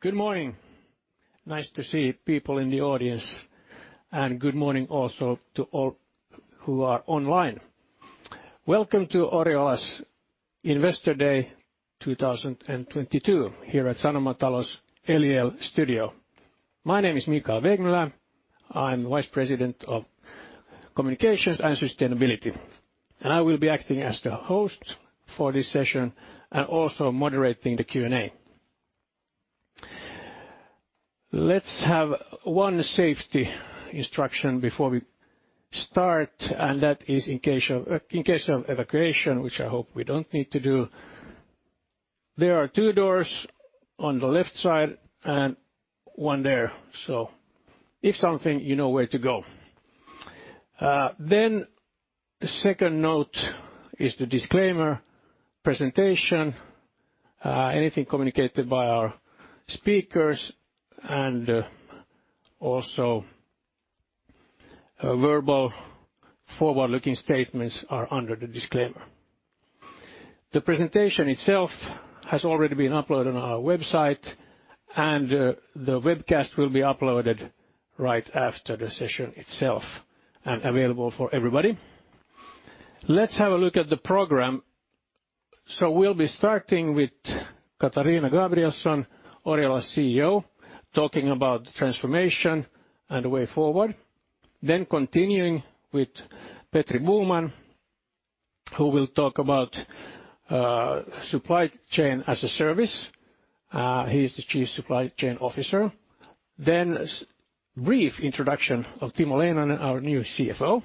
Good morning. Nice to see people in the audience. Good morning also to all who are online. Welcome to Oriola's Investor Day 2022 here at Sanomatalo's Eliel Studio. My name is Mikael Wegmüller. I'm Vice President of Communications and Sustainability. I will be acting as the host for this session, also moderating the Q&A. Let's have one safety instruction before we start. That is in case of evacuation, which I hope we don't need to do, there are two doors on the left side and one there. If something, you know where to go. The second note is the disclaimer presentation, anything communicated by our speakers and also verbal forward-looking statements are under the disclaimer. The presentation itself has already been uploaded on our website. The webcast will be uploaded right after the session itself and available for everybody. Let's have a look at the program. We'll be starting with Katarina Gabrielson, Oriola's CEO, talking about the transformation and the way forward. Continuing with Petri Boman, who will talk about supply chain as a service. He is the Chief Supply Chain Officer. A brief introduction of Timo Leinonen, our new CFO.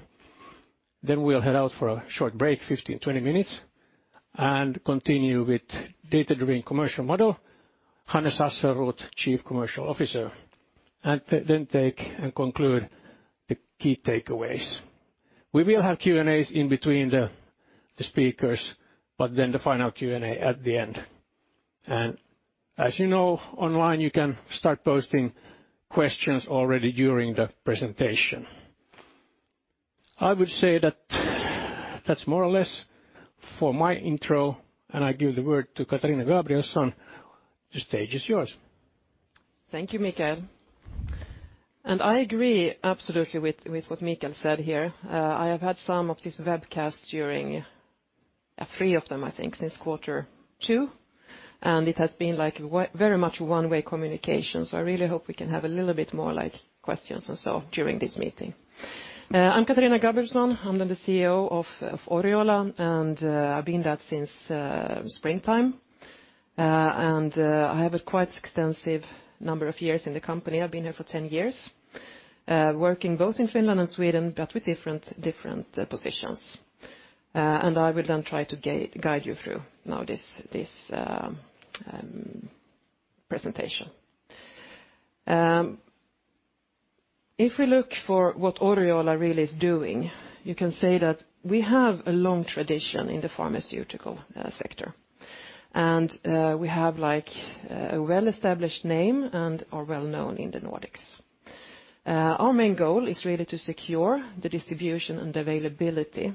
We'll head out for a short break, 15, 20 minutes, and continue with data-driven commercial model, Hannes Hasselrot, Chief Commercial Officer, and then take and conclude the key takeaways. We will have Q&As in between the speakers, but then the final Q&A at the end. As you know, online, you can start posting questions already during the presentation. I would say that that's more or less for my intro, and I give the word to Katarina Gabrielson. The stage is yours. Thank you, Mikael. I agree absolutely with what Mikael said here. I have had some of this webcast during, three of them, I think, since quarter 2, and it has been like very much one-way communication. I really hope we can have a little bit more like questions and so during this meeting. I'm Katarina Gabrielson. I'm the CEO of Oriola, I've been that since springtime. I have a quite extensive number of years in the company. I've been here for 10 years, working both in Finland and Sweden, but with different positions. I will then try to guide you through now this presentation. If we look for what Oriola really is doing, you can say that we have a long tradition in the pharmaceutical sector. We have like a well-established name and are well known in the Nordics. Our main goal is really to secure the distribution and availability,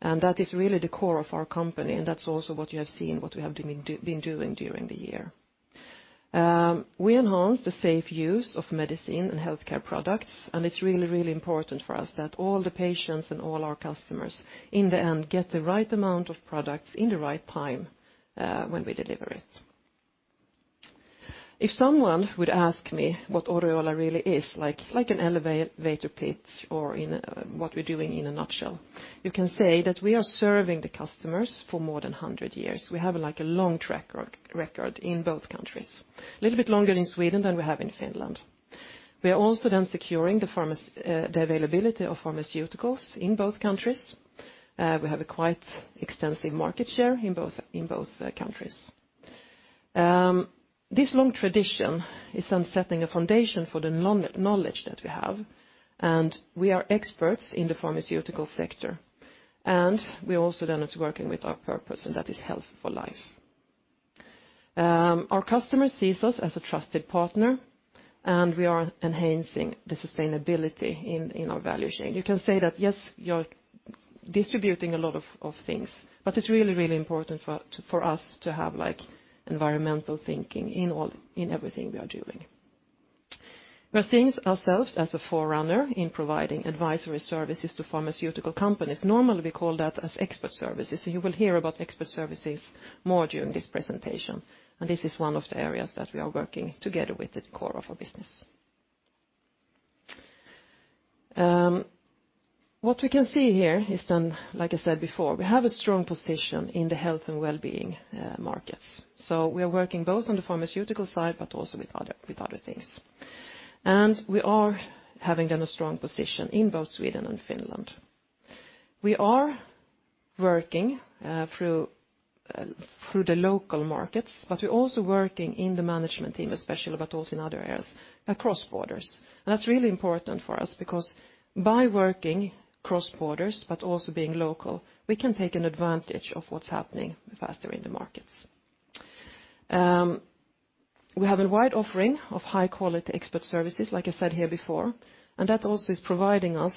and that is really the core of our company, and that's also what you have seen, what we have been doing during the year. We enhance the safe use of medicine and healthcare products, and it's really, really important for us that all the patients and all our customers in the end get the right amount of products in the right time, when we deliver it. If someone would ask me what Oriola really is like an elevator pitch or what we're doing in a nutshell, you can say that we are serving the customers for more than 100 years. We have like a long track record in both countries, a little bit longer in Sweden than we have in Finland. We are also then securing the availability of pharmaceuticals in both countries. We have a quite extensive market share in both countries. This long tradition is on setting a foundation for the knowledge that we have, and we are experts in the pharmaceutical sector. We're also then working with our purpose, and that is health for life. Our customers sees us as a trusted partner, and we are enhancing the sustainability in our value chain. You can say that, yes, you're distributing a lot of things, but it's really, really important for us to have like environmental thinking in everything we are doing. We're seeing ourselves as a forerunner in providing advisory services to pharmaceutical companies. Normally, we call that as expert services. You will hear about expert services more during this presentation. This is one of the areas that we are working together with the core of our business. What we can see here is then, like I said before, we have a strong position in the health and well-being markets. We are working both on the pharmaceutical side, but also with other things. We are having then a strong position in both Sweden and Finland. We are working through the local markets, but we're also working in the management team especially, but also in other areas across borders. That's really important for us because by working cross borders, but also being local, we can take an advantage of what's happening faster in the markets. We have a wide offering of high quality expert services, like I said here before, and that also is providing us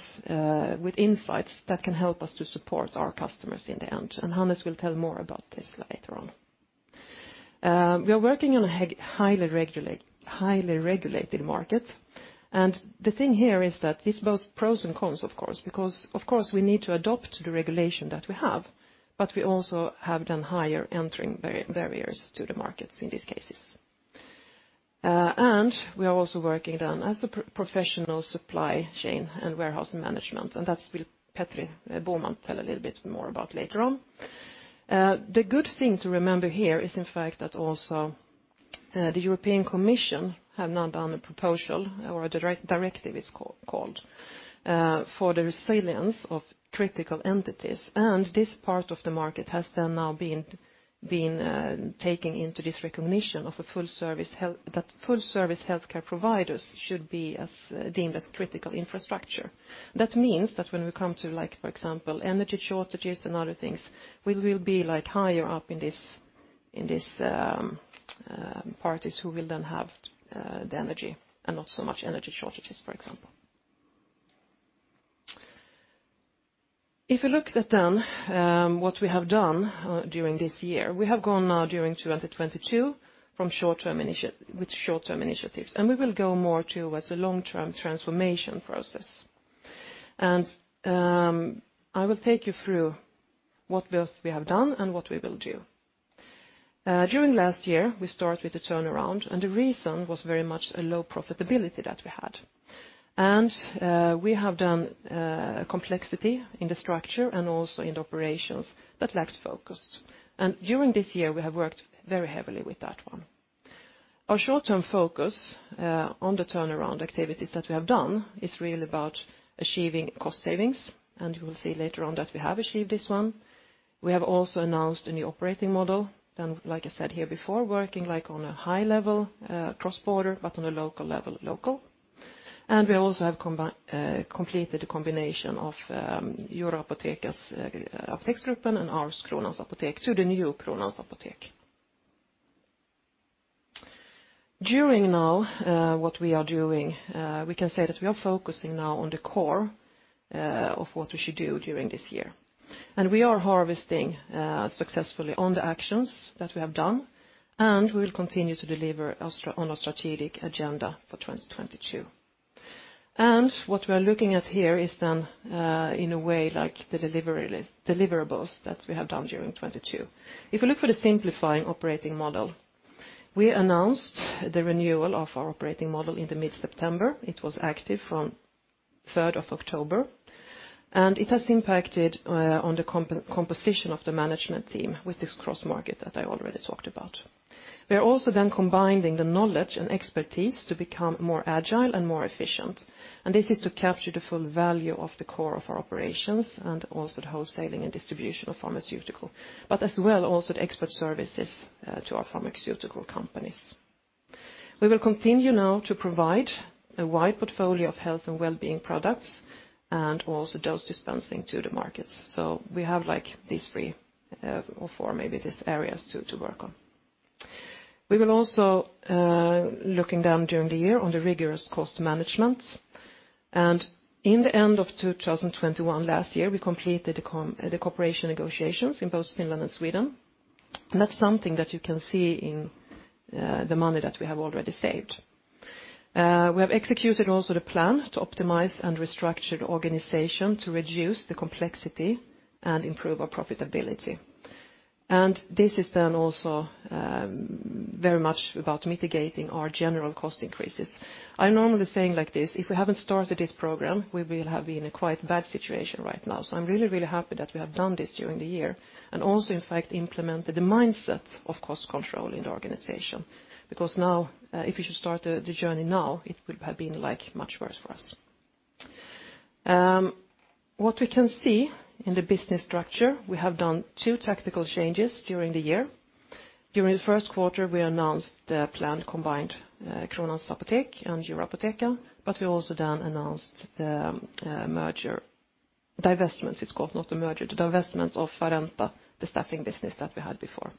with insights that can help us to support our customers in the end. Hannes will tell more about this later on. We are working on a highly regulated market. The thing here is that this both pros and cons, of course, because of course, we need to adopt the regulation that we have, but we also have then higher entering barriers to the markets in these cases. We are also working then as a professional supply chain and warehouse management, and that's will Petri Boman tell a little bit more about later on. The good thing to remember here is in fact that also, the European Commission have now done a proposal or a directive it's called, for the resilience of critical entities. This part of the market has then now been taken into this recognition that full service healthcare providers should be deemed as critical infrastructure. That means that when we come to like, for example, energy shortages and other things, we will be like higher up in this parties who will then have the energy and not so much energy shortages, for example. If you look at then, what we have done during this year, we have gone now during 2022 with short-term initiatives, and we will go more towards a long-term transformation process. I will take you through what else we have done and what we will do. During last year, we start with the turnaround, the reason was very much a low profitability that we had. We have done complexity in the structure and also in the operations that lacked focus. During this year, we have worked very heavily with that one. Our short-term focus on the turnaround activities that we have done is really about achieving cost savings, you will see later on that we have achieved this one. We have also announced a new operating model, like I said here before, working like on a high level, cross-border, but on a local level, local. We also have completed a combination of Euroapotheca, Apoteksgruppen, and our Kronans Apotek to the new Kronans Apotek. During now, what we are doing, we can say that we are focusing now on the core, of what we should do during this year. We are harvesting successfully on the actions that we have done, and we will continue to deliver on our strategic agenda for 2022. What we are looking at here is then, in a way like the deliverables that we have done during 2022. If you look for the simplifying operating model, we announced the renewal of our operating model in the mid-September. It was active from 3rd of October, and it has impacted on the composition of the management team with this cross-market that I already talked about. We are also then combining the knowledge and expertise to become more agile and more efficient. This is to capture the full value of the core of our operations and also the wholesaling and distribution of pharmaceutical, but as well also the expert services to our pharmaceutical companies. We will continue now to provide a wide portfolio of health and wellbeing products and also dose dispensing to the markets. We have like these three or four maybe these areas to work on. We will also looking down during the year on the rigorous cost management. In the end of 2021 last year, we completed the cooperation negotiations in both Finland and Sweden. That's something that you can see in the money that we have already saved. We have executed also the plan to optimize and restructure the organization to reduce the complexity and improve our profitability. This is then also very much about mitigating our general cost increases. I'm normally saying like this, if we haven't started this program, we will have been in a quite bad situation right now. I'm really happy that we have done this during the year and also in fact implemented the mindset of cost control in the organization. Now, if we should start the journey now, it would have been like much worse for us. What we can see in the business structure, we have done two tactical changes during the year. During the first quarter, we announced the planned combined Kronans Apotek and Euroapotheca. We also then announced divestments, it's called, not a merger. The divestments of Farenta, the staffing business that we had before.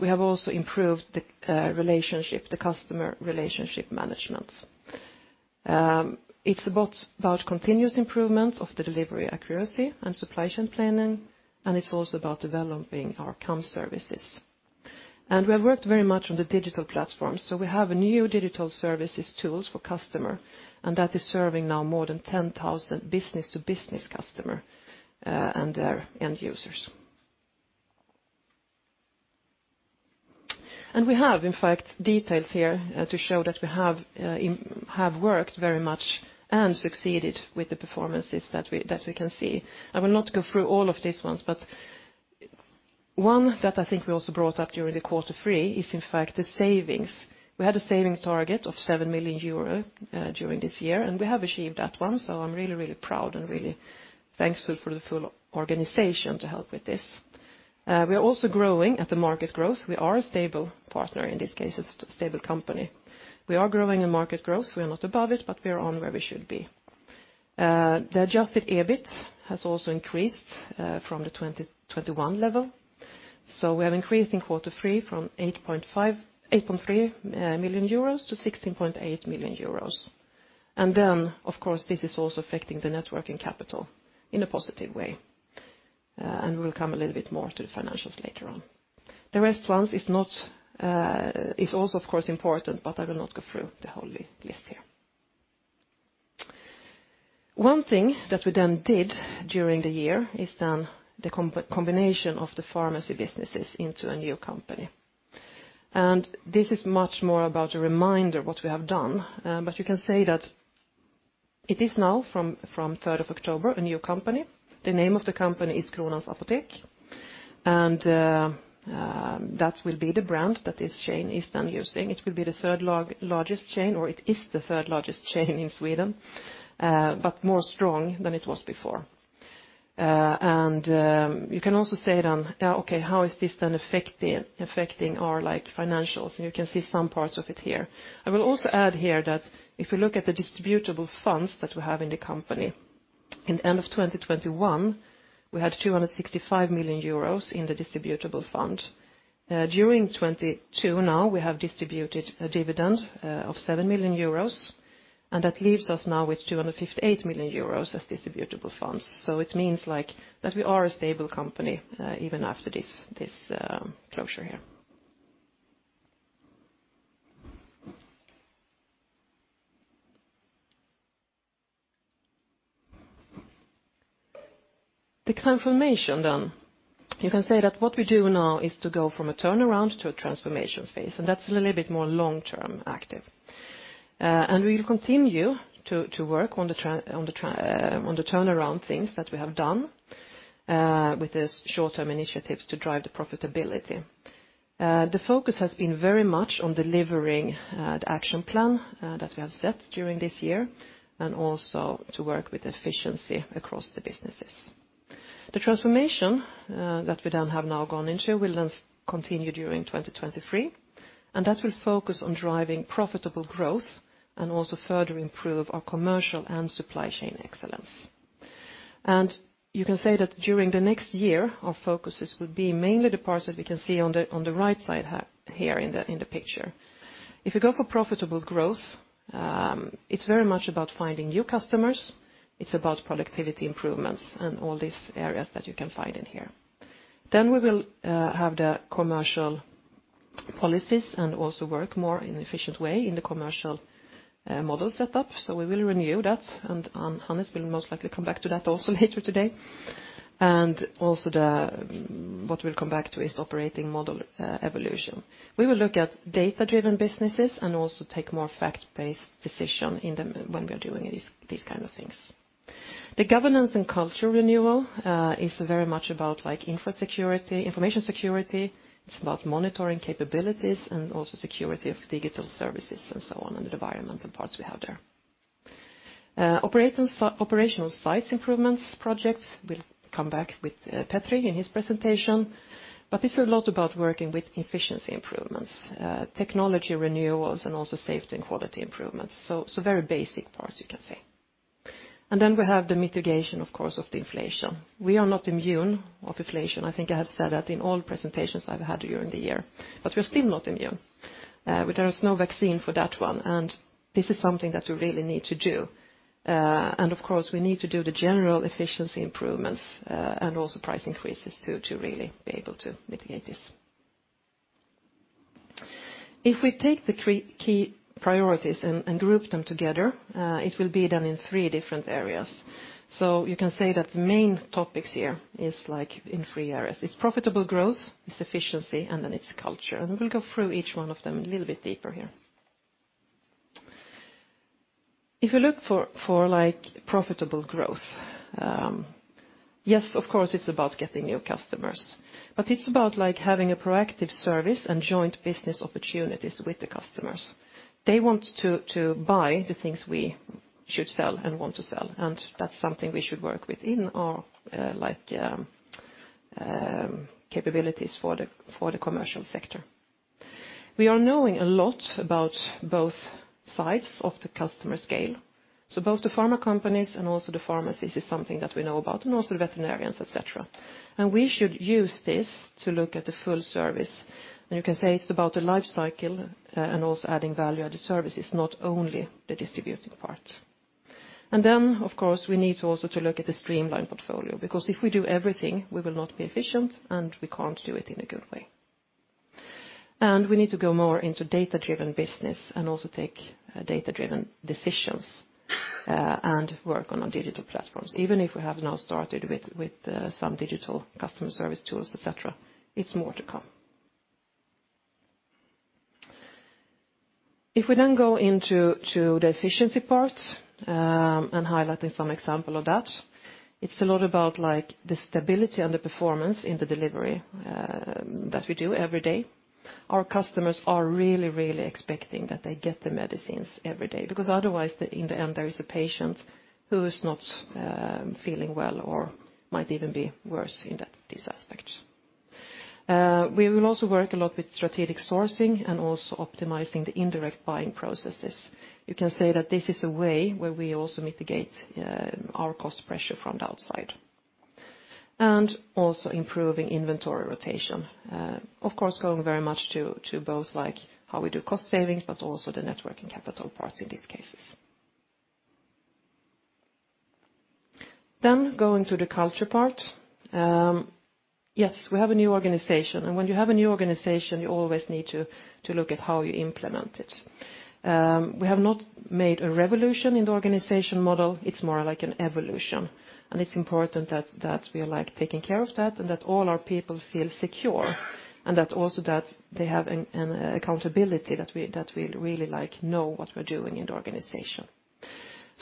We have also improved the relationship, the customer relationship management. It's about continuous improvements of the delivery accuracy and supply chain planning, and it's also about developing our comm services. We have worked very much on the digital platform, so we have new digital services tools for customer, and that is serving now more than 10,000 business-to-business customers and their end users. We have, in fact, details here to show that we have worked very much and succeeded with the performances that we can see. I will not go through all of these ones, but one that I think we also brought up during the quarter three is in fact the savings. We had a savings target of 7 million euro during this year, and we have achieved that one. I'm really proud and really thankful for the full organization to help with this. We are also growing at the market growth. We are a stable partner in this case, a stable company. We are growing in market growth. We are not above it, but we are on where we should be. The adjusted EBIT has also increased from the 2021 level. We have increased in quarter three from 8.3 million euros to 16.8 million euros. Of course, this is also affecting the net working capital in a positive way. We'll come a little bit more to the financials later on. The response is also, of course, important, but I will not go through the whole list here. One thing that we then did during the year is then the combination of the pharmacy businesses into a new company. This is much more about a reminder what we have done, but you can say that it is now from 3rd of October, a new company. The name of the company is Kronans Apotek. That will be the brand that this using. It will be the third largest chain, or it is the third largest chain in Sweden, but more strong than it was before. You can also say then, "Okay, how is this then affecting our, like, financials?" You can see some parts of it here. I will also add here that if you look at the distributable funds that we have in the company, in end of 2021, we had 265 million euros in the distributable fund. During 2022 now, we have distributed a dividend of 7 million euros, and that leaves us now with 258 million euros as distributable funds. It means, like, that we are a stable company, even after this closure here. The transformation. You can say that what we do now is to go from a turnaround to a transformation phase, and that's a little bit more long-term active. We will continue to work on the turnaround things that we have done with the short-term initiatives to drive the profitability. The focus has been very much on delivering the action plan that we have set during this year, and also to work with efficiency across the businesses. The transformation that we then have now gone into will then continue during 2023, and that will focus on driving profitable growth and also further improve our commercial and supply chain excellence. You can say that during the next year, our focuses will be mainly the parts that we can see on the right side here in the picture. If you go for profitable growth, it's very much about finding new customers. It's about productivity improvements and all these areas that you can find in here. We will have the commercial policies and also work more in efficient way in the commercial model setup. We will renew that, and Hannes will most likely come back to that also later today. What we'll come back to is operating model evolution. We will look at data-driven businesses and also take more fact-based decision when we are doing these kind of things. The governance and culture renewal is very much about like info security, information security. It's about monitoring capabilities and also security of digital services and so on, and the environmental parts we have there. Operational sites improvements projects, we'll come back with Petri in his presentation. This is a lot about working with efficiency improvements, technology renewals, and also safety and quality improvements. Very basic parts you can say. We have the mitigation, of course, of the inflation. We are not immune of inflation. I think I have said that in all presentations I've had during the year. We are still not immune. There is no vaccine for that one, and this is something that we really need to do. Of course, we need to do the general efficiency improvements and also price increases to really be able to mitigate this. If we take the key priorities and group them together, it will be done in three different areas. You can say that the main topics here is in three areas. It's profitable growth, it's efficiency, and then it's culture. We'll go through each one of them a little bit deeper here. If you look for profitable growth, yes, of course, it's about getting new customers. It's about, like, having a proactive service and joint business opportunities with the customers. They want to buy the things we should sell and want to sell, and that's something we should work within our, like, capabilities for the, for the commercial sector. We are knowing a lot about both sides of the customer scale. Both the pharma companies and also the pharmacies is something that we know about, and also veterinarians, et cetera. We should use this to look at the full service. You can say it's about the life cycle, and also adding value at the services, not only the distributing part. Of course, we need to also to look at the streamlined portfolio, because if we do everything, we will not be efficient, and we can't do it in a good way. We need to go more into data-driven business and also take data-driven decisions and work on our digital platforms. Even if we have now started with some digital customer service tools, et cetera, it's more to come. If we then go into the efficiency part, and highlighting some example of that, it's a lot about, like, the stability and the performance in the delivery that we do every day. Our customers are really, really expecting that they get the medicines every day because otherwise, in the end, there is a patient who is not feeling well or might even be worse in this aspet. We will also work a lot with strategic sourcing and also optimizing the indirect buying processes. You can say that this is a way where we also mitigate our cost pressure from the outside. Also improving inventory rotation. Of course, going very much to both, like, how we do cost savings, but also the net working capital parts in these cases. Going to the culture part. Yes, we have a new organization. When you have a new organization, you always need to look at how you implement it. We have not made a revolution in the organization model. It's more like an evolution, and it's important that we are, like, taking care of that and that all our people feel secure and also that they have an accountability that we really, like, know what we're doing in the organization.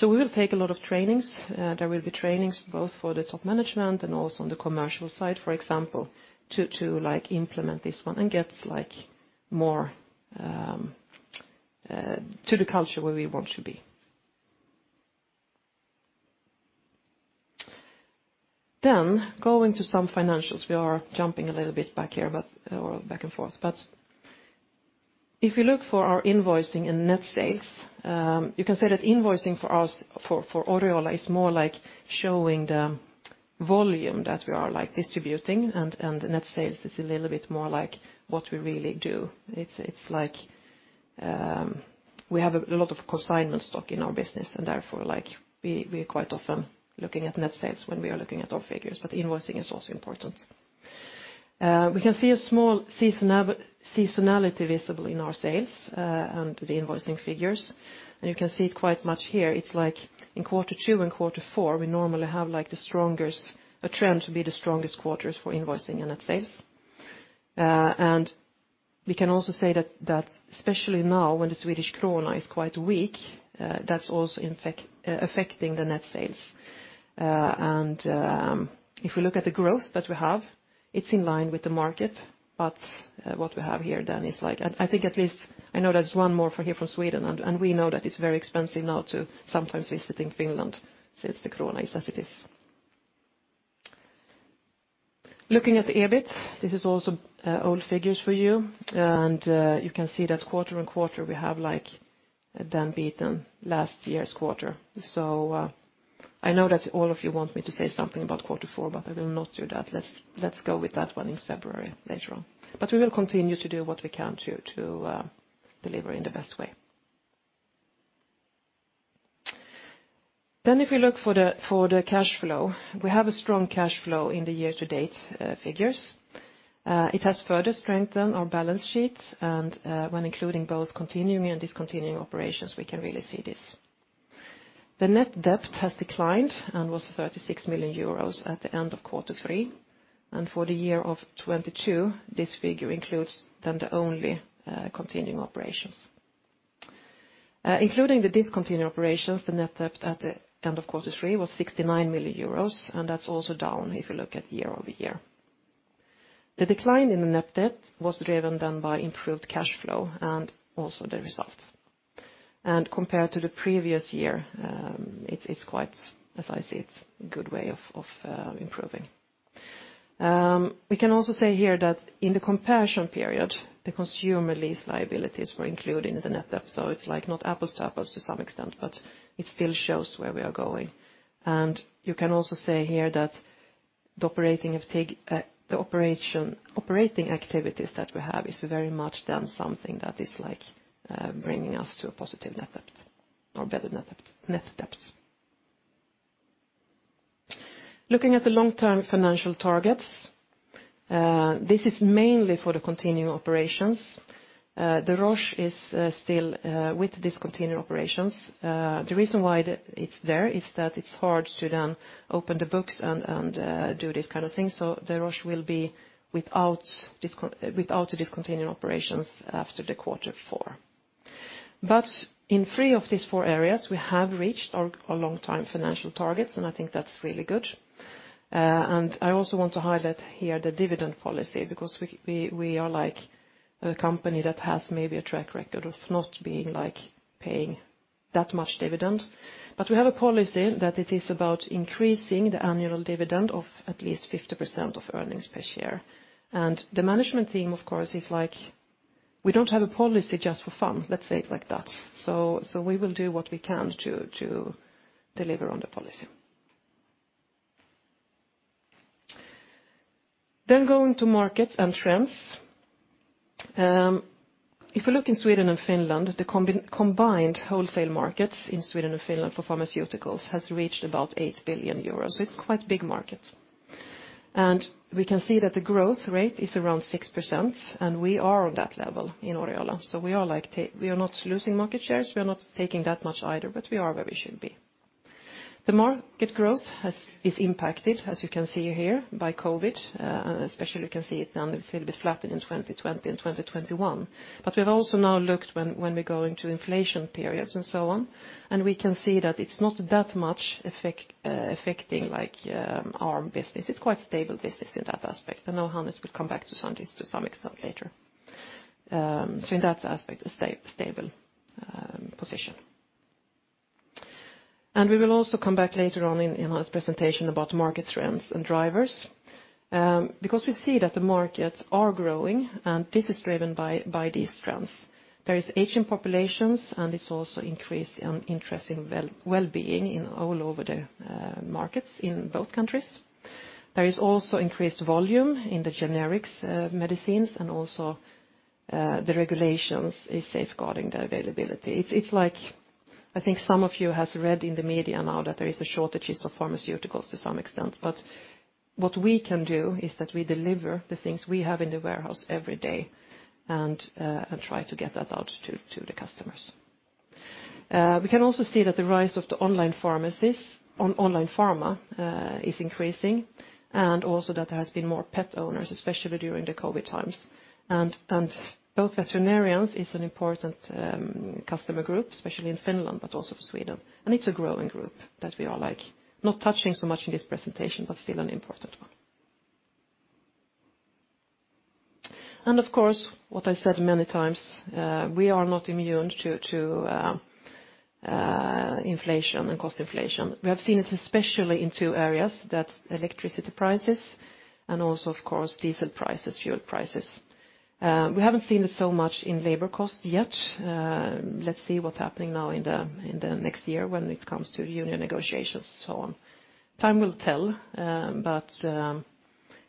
We will take a lot of trainings. There will be trainings both for the top management and also on the commercial side. For example, to, like, implement this one and get, like, more to the culture where we want to be. Going to some financials. We are jumping a little bit back here. Or back and forth. If you look for our invoicing and net sales, you can say that invoicing for us, for Oriola, is more like showing the volume that we are, like, distributing and net sales is a little bit more like what we really do. It's like, we have a lot of consignment stock in our business and therefore, like, we quite often looking at net sales when we are looking at our figures. Invoicing is also important. We can see a small seasonality visible in our sales and the invoicing figures. You can see it quite much here. It's like in quarter 2 and quarter 4, we normally have, like, the strongest trend to be the strongest quarters for invoicing and net sales. We can also say that especially now when the SEK is quite weak, that's also affecting the net sales. If we look at the growth that we have, it's in line with the market, but what we have here then is like... I think at least I know there's one more for here from Sweden, and we know that it's very expensive now to sometimes visiting Finland since the SEK is as it is. Looking at the EBIT, this is also old figures for you. You can see that quarter-on-quarter we have, like, then beaten last year's quarter. I know that all of you want me to say something about quarter four, but I will not do that. Let's go with that one in February later on. We will continue to do what we can to deliver in the best way. If you look for the cash flow, we have a strong cash flow in the year-to-date figures. It has further strengthened our balance sheets and when including both continuing and discontinuing operations, we can really see this. The net debt has declined and was 36 million euros at the end of quarter 3, and for the year of 2022 this figure includes then the only continuing operations. Including the discontinued operations, the net debt at the end of quarter 3 was 69 million euros, that's also down if you look at year-over-year. The decline in the net debt was driven then by improved cash flow and also the results. Compared to the previous year, it's quite, as I see, it's good way of improving. We can also say here that in the comparison period, the consumer lease liabilities were included in the net debt, so it's like not apples-to-apples to some extent, but it still shows where we are going. You can also say here that the operating activities that we have is very much done something that is, like, bringing us to a positive net debt or better net debt. Looking at the long-term financial targets, this is mainly for the continuing operations. The Roche is still with the discontinued operations. The reason why it's there is that it's hard to then open the books and, do this kind of thing. The Roche will be without the discontinued operations after the quarter 4. In three of these four areas, we have reached our long-time financial targets, and I think that's really good. And I also want to highlight here the dividend policy because we are, like, a company that has maybe a track record of not being, like, paying that much dividend. We have a policy that it is about increasing the annual dividend of at least 50% of earnings per share. The management team, of course, is like, we don't have a policy just for fun. Let's say it like that. We will do what we can to deliver on the policy. Going to markets and trends. If you look in Sweden and Finland, the combined wholesale markets in Sweden and Finland for pharmaceuticals has reached about 8 billion euros. It's quite a big market. We can see that the growth rate is around 6%, and we are on that level in Oriola. We are like we are not losing market shares. We are not taking that much either, but we are where we should be. The market growth is impacted, as you can see here, by COVID. Especially you can see it down, it's a little bit flattened in 2020 and 2021. We've also now looked when we're going to inflation periods and so on, and we can see that it's not that much affecting, like, our business. It's quite stable business in that aspect. I know Hannes will come back to some extent later. So in that aspect, a stable position. We will also come back later on in this presentation about market trends and drivers. Because we see that the markets are growing, and this is driven by these trends. There is aging populations, and it's also increase in well-being all over the markets in both countries. There is also increased volume in the generics medicines, and also the regulations is safeguarding the availability. It's like I think some of you has read in the media now that there is a shortages of pharmaceuticals to some extent. What we can do is that we deliver the things we have in the warehouse every day, and try to get that out to the customers. We can also see that the rise of the online pharma is increasing, and also that there has been more pet owners, especially during the COVID times. Both veterinarians is an important customer group, especially in Finland, but also for Sweden. It's a growing group that we are, like, not touching so much in this presentation, but still an important one. Of course, what I said many times, we are not immune to inflation and cost inflation. We have seen it especially in two areas. That's electricity prices and also, of course, diesel prices, fuel prices. We haven't seen it so much in labor costs yet. Let's see what's happening now in the, in the next year when it comes to union negotiations, so on. Time will tell, but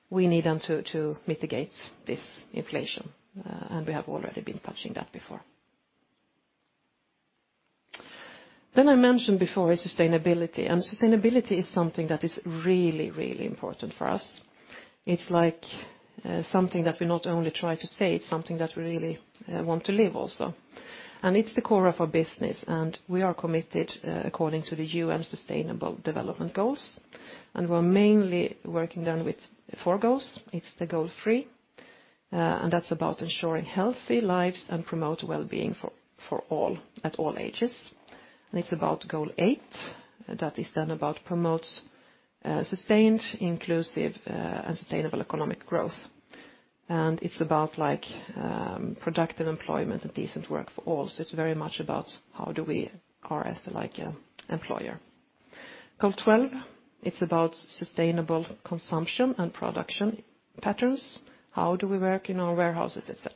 we need them to mitigate this inflation, and we have already been touching that before. I mentioned before sustainability, and sustainability is something that is really, really important for us. It's like something that we not only try to say, it's something that we really want to live also. It's the core of our business, and we are committed according to the UN Sustainable Development Goals. We're mainly working then with four goals. It's the goal 3, that's about ensuring healthy lives and promote well-being for all at all ages. It's about goal 8, that is then about promote, sustained, inclusive, and sustainable economic growth. It's about, like, productive employment and decent work for all. So it's very much about how do we are as, like, an employer. Goal 12, it's about sustainable consumption and production patterns, how do we work in our warehouses, et cetera.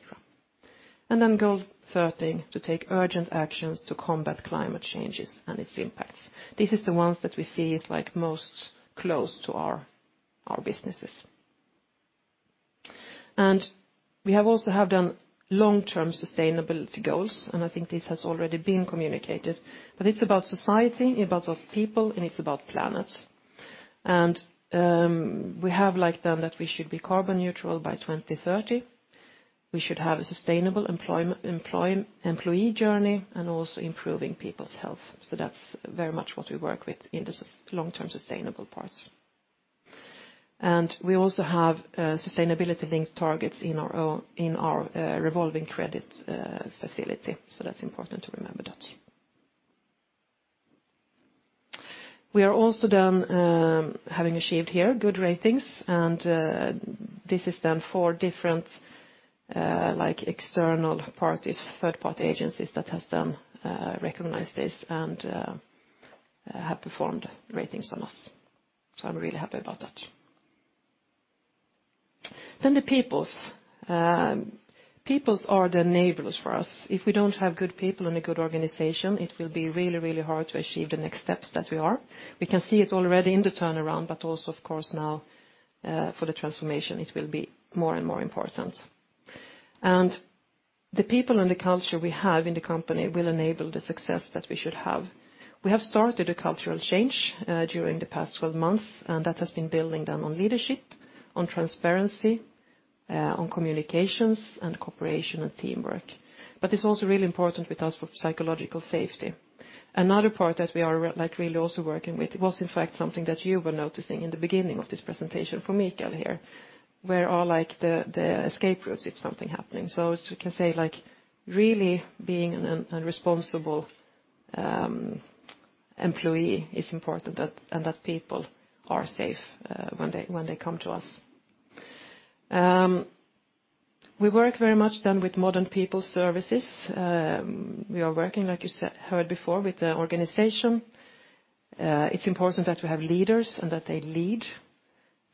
Goal 13, to take urgent actions to combat climate changes and its impacts. This is the ones that we see is, like, most close to our businesses. We have also have done long-term sustainability goals, and I think this has already been communicated. It's about society, about people, and it's about planet. We have, like, then that we should be carbon neutral by 2030. We should have a sustainable employee journey, and also improving people's health. That's very much what we work with in the long-term sustainable parts. We also have sustainability-linked targets in our in our revolving credit facility. That's important to remember that. We are also then having achieved here good ratings and this is then four different, like, external parties, third-party agencies that has done recognize this and have performed ratings on us. I'm really happy about that. The peoples. Peoples are the enablers for us. If we don't have good people and a good organization, it will be really, really hard to achieve the next steps that we are. We can see it already in the turnaround, also of course now, for the transformation it will be more and more important. The people and the culture we have in the company will enable the success that we should have. We have started a cultural change during the past 12 months, and that has been building down on leadership, on transparency, on communications and cooperation and teamwork. It's also really important with us for psychological safety. Another part that we are like, really also working with was in fact something that you were noticing in the beginning of this presentation from Mikael here. Where are, like, the escape routes if something happening? As you can say, like, really being a responsible employee is important and that people are safe when they come to us. We work very much then with modern people services. We are working, like you heard before, with the organization. It's important that we have leaders and that they lead,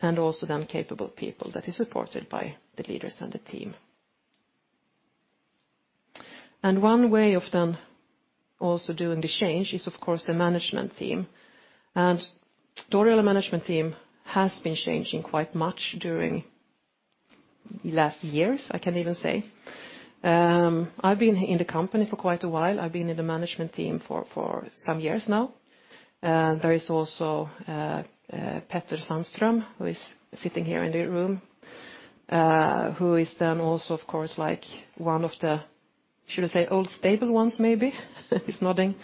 and also then capable people that is supported by the leaders and the team. One way of then also doing the change is of course the management team. The Oriola management team has been changing quite much during last years, I can even say. I've been in the company for quite a while. I've been in the management team for some years now. There is also Petter Sandström, who is sitting here in the room, who is then also of course like one of the, should I say, old stable ones, maybe. He's nodding.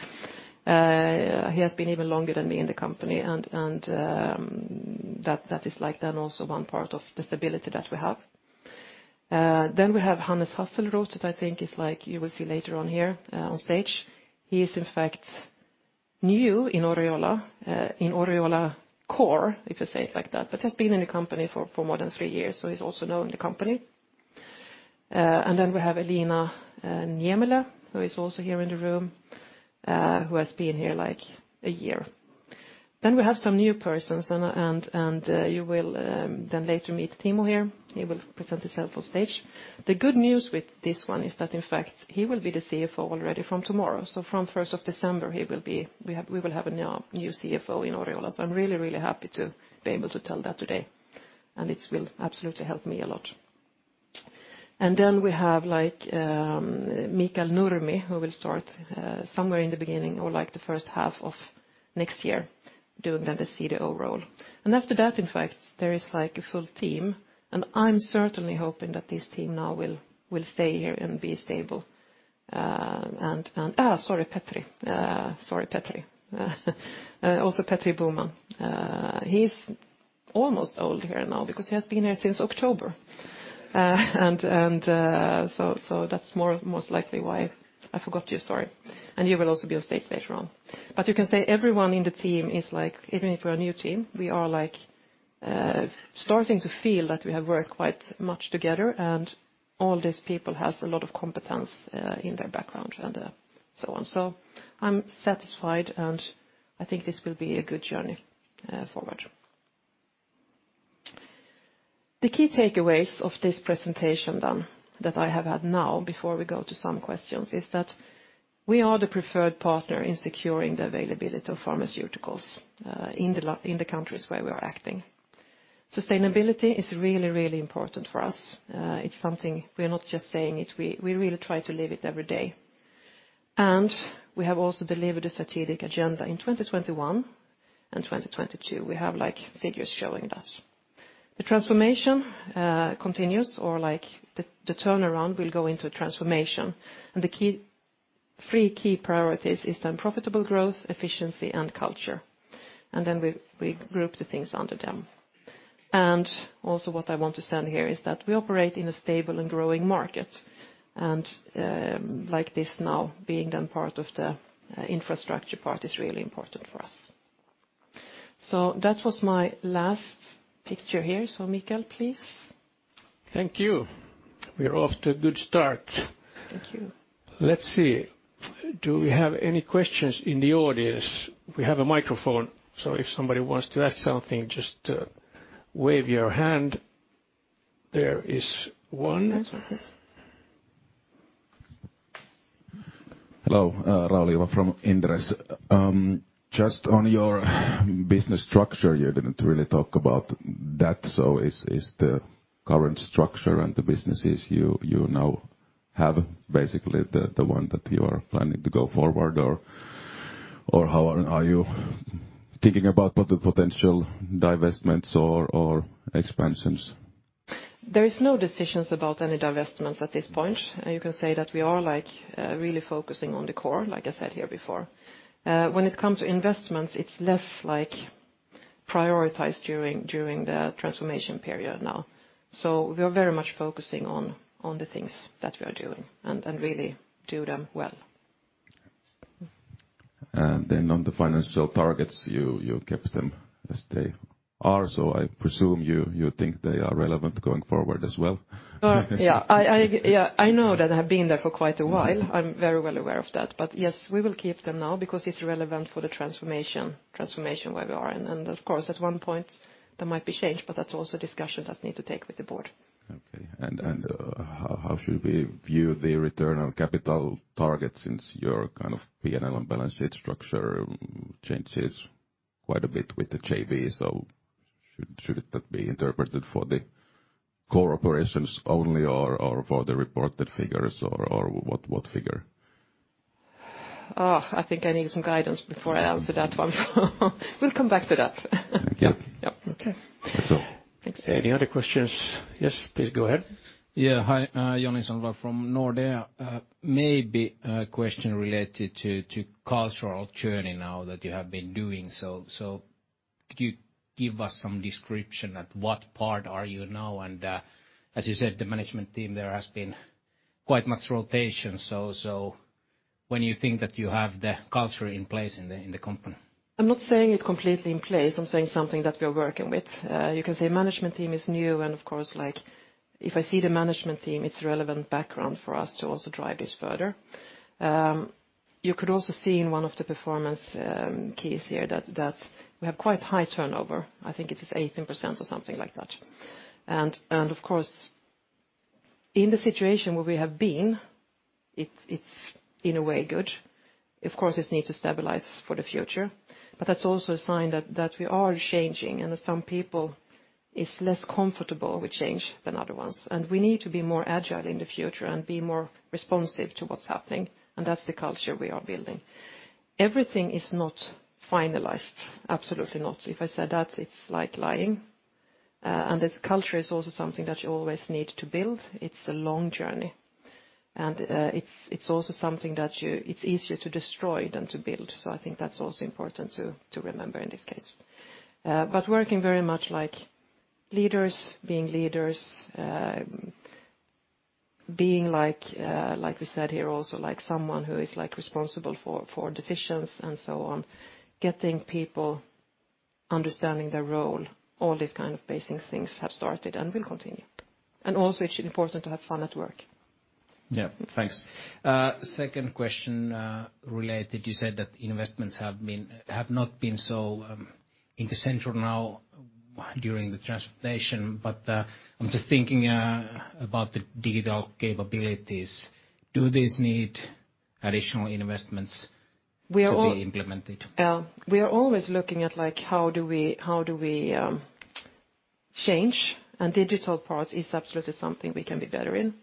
He has been even longer than me in the company, and that is then also one part of the stability that we have. We have Hannes Hasselrot, that I think is you will see later on here on stage. He is in fact new in Oriola, in Oriola core, if you say it like that, but has been in the company for more than years, he's also known in the company. We have Elina Niemelä, who is also here in the room, who has been here a year. We have some new persons, and you will then later meet Timo here. He will present himself on stage. The good news with this one is that in fact, he will be the CFO already from tomorrow. From 1st of December, we will have a new CFO in Oriola. I'm really, really happy to be able to tell that today, and it will absolutely help me a lot. We have Mikael Nurmi, who will start somewhere in the beginning or the first half of next year doing then the CDO role. After that, in fact, there is a full team. I'm certainly hoping that this team now will stay here and be stable. And sorry, Petri. Also Petri Boman. He's almost old here now because he has been here since October. And so that's most likely why I forgot you. Sorry. You will also be on stage later on. You can say everyone in the team is like even if we're a new team, we are, like, starting to feel that we have worked quite much together, and all these people has a lot of competence in their background and so on. I'm satisfied, and I think this will be a good journey forward. The key takeaways of this presentation, then, that I have had now before we go to some questions, is that we are the preferred partner in securing the availability of pharmaceuticals in the countries where we are acting. Sustainability is really, really important for us. It's something we're not just saying it, we really try to live it every day. We have also delivered a strategic agenda in 2021 and 2022. We have, like, figures showing that. The transformation continues or, like, the turnaround will go into transformation. The key, three key priorities is profitable growth, efficiency, and culture. We group the things under them. What I want to send here is that we operate in a stable and growing market. Like this now, being part of the infrastructure part is really important for us. That was my last picture here. Mikael, please. Thank you. We are off to a good start. Thank you. Let's see. Do we have any questions in the audience? We have a microphone, so if somebody wants to ask something, just wave your hand. There is one. Yes, okay. Hello. Rauli Juva from Inderes. Just on your business structure, you didn't really talk about that. The current structure and the businesses you now have basically the one that you are planning to go forward or how are you thinking about the potential divestments or expansions? There is no decisions about any divestments at this point. You can say that we are, like, really focusing on the core, like I said here before. When it comes to investments, it's less, like, prioritized during the transformation period now. We are very much focusing on the things that we are doing and really do them well. On the financial targets, you kept them as they are, so I presume you think they are relevant going forward as well. Yeah. I know that they have been there for quite a while. I'm very well aware of that. Yes, we will keep them now because it's relevant for the transformation where we are. Of course, at one point, there might be change, but that's also a discussion that need to take with the board. Okay. How should we view the return on capital target since your kind of P&L and balance sheet structure changes quite a bit with the JV? Should that be interpreted for the core operations only or for the reported figures or what figure? Oh, I think I need some guidance before I answer that one. We'll come back to that. Thank you. Yeah. Okay. That's all. Thanks. Any other questions? Yes, please go ahead. Yeah. Hi, Joni Sandvall from Nordea. Maybe a question related to cultural journey now that you have been doing. Could you give us some description at what part are you now? As you said, the management team there has been quite much rotation. When you think that you have the culture in place in the company? I'm not saying it completely in place. I'm saying something that we are working with. You can say management team is new and of course, like, if I see the management team, it's relevant background for us to also drive this further. You could also see in one of the performance keys here that we have quite high turnover. I think it is 18% or something like that. Of course, in the situation where we have been, it's in a way good. Of course, this need to stabilize for the future, but that's also a sign that we are changing and some people is less comfortable with change than other ones. We need to be more agile in the future and be more responsive to what's happening, and that's the culture we are building. Everything is not finalized. Absolutely not. If I said that, it's like lying. This culture is also something that you always need to build. It's a long journey. It's also something that it's easier to destroy than to build. I think that's also important to remember in this case. Working very much like leaders, being leaders, being like we said here also, like someone who is, like, responsible for decisions and so on, getting people understanding their role, all these kind of basic things have started and will continue. It's important to have fun at work. Yeah. Thanks. Second question related, you said that investments have not been so in the central now during the transformation. I'm just thinking about the digital capabilities. Do these need additional investments-? We are. to be implemented? We are always looking at, like, how do we change? Digital part is absolutely something we can be better in.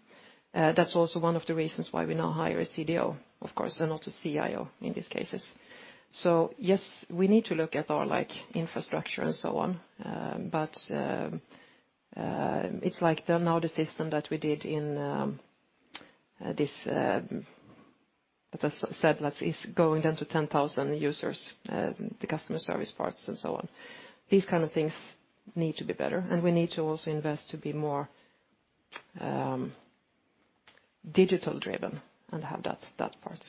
That's also one of the reasons why we now hire a CDO, of course, and not a CIO in these cases. Yes, we need to look at our, like, infrastructure and so on. It's like the notice system that we did in this, as I said, like, it's going down to 10,000 users, the customer service parts and so on. These kind of things need to be better, and we need to also invest to be more digital driven and have that part.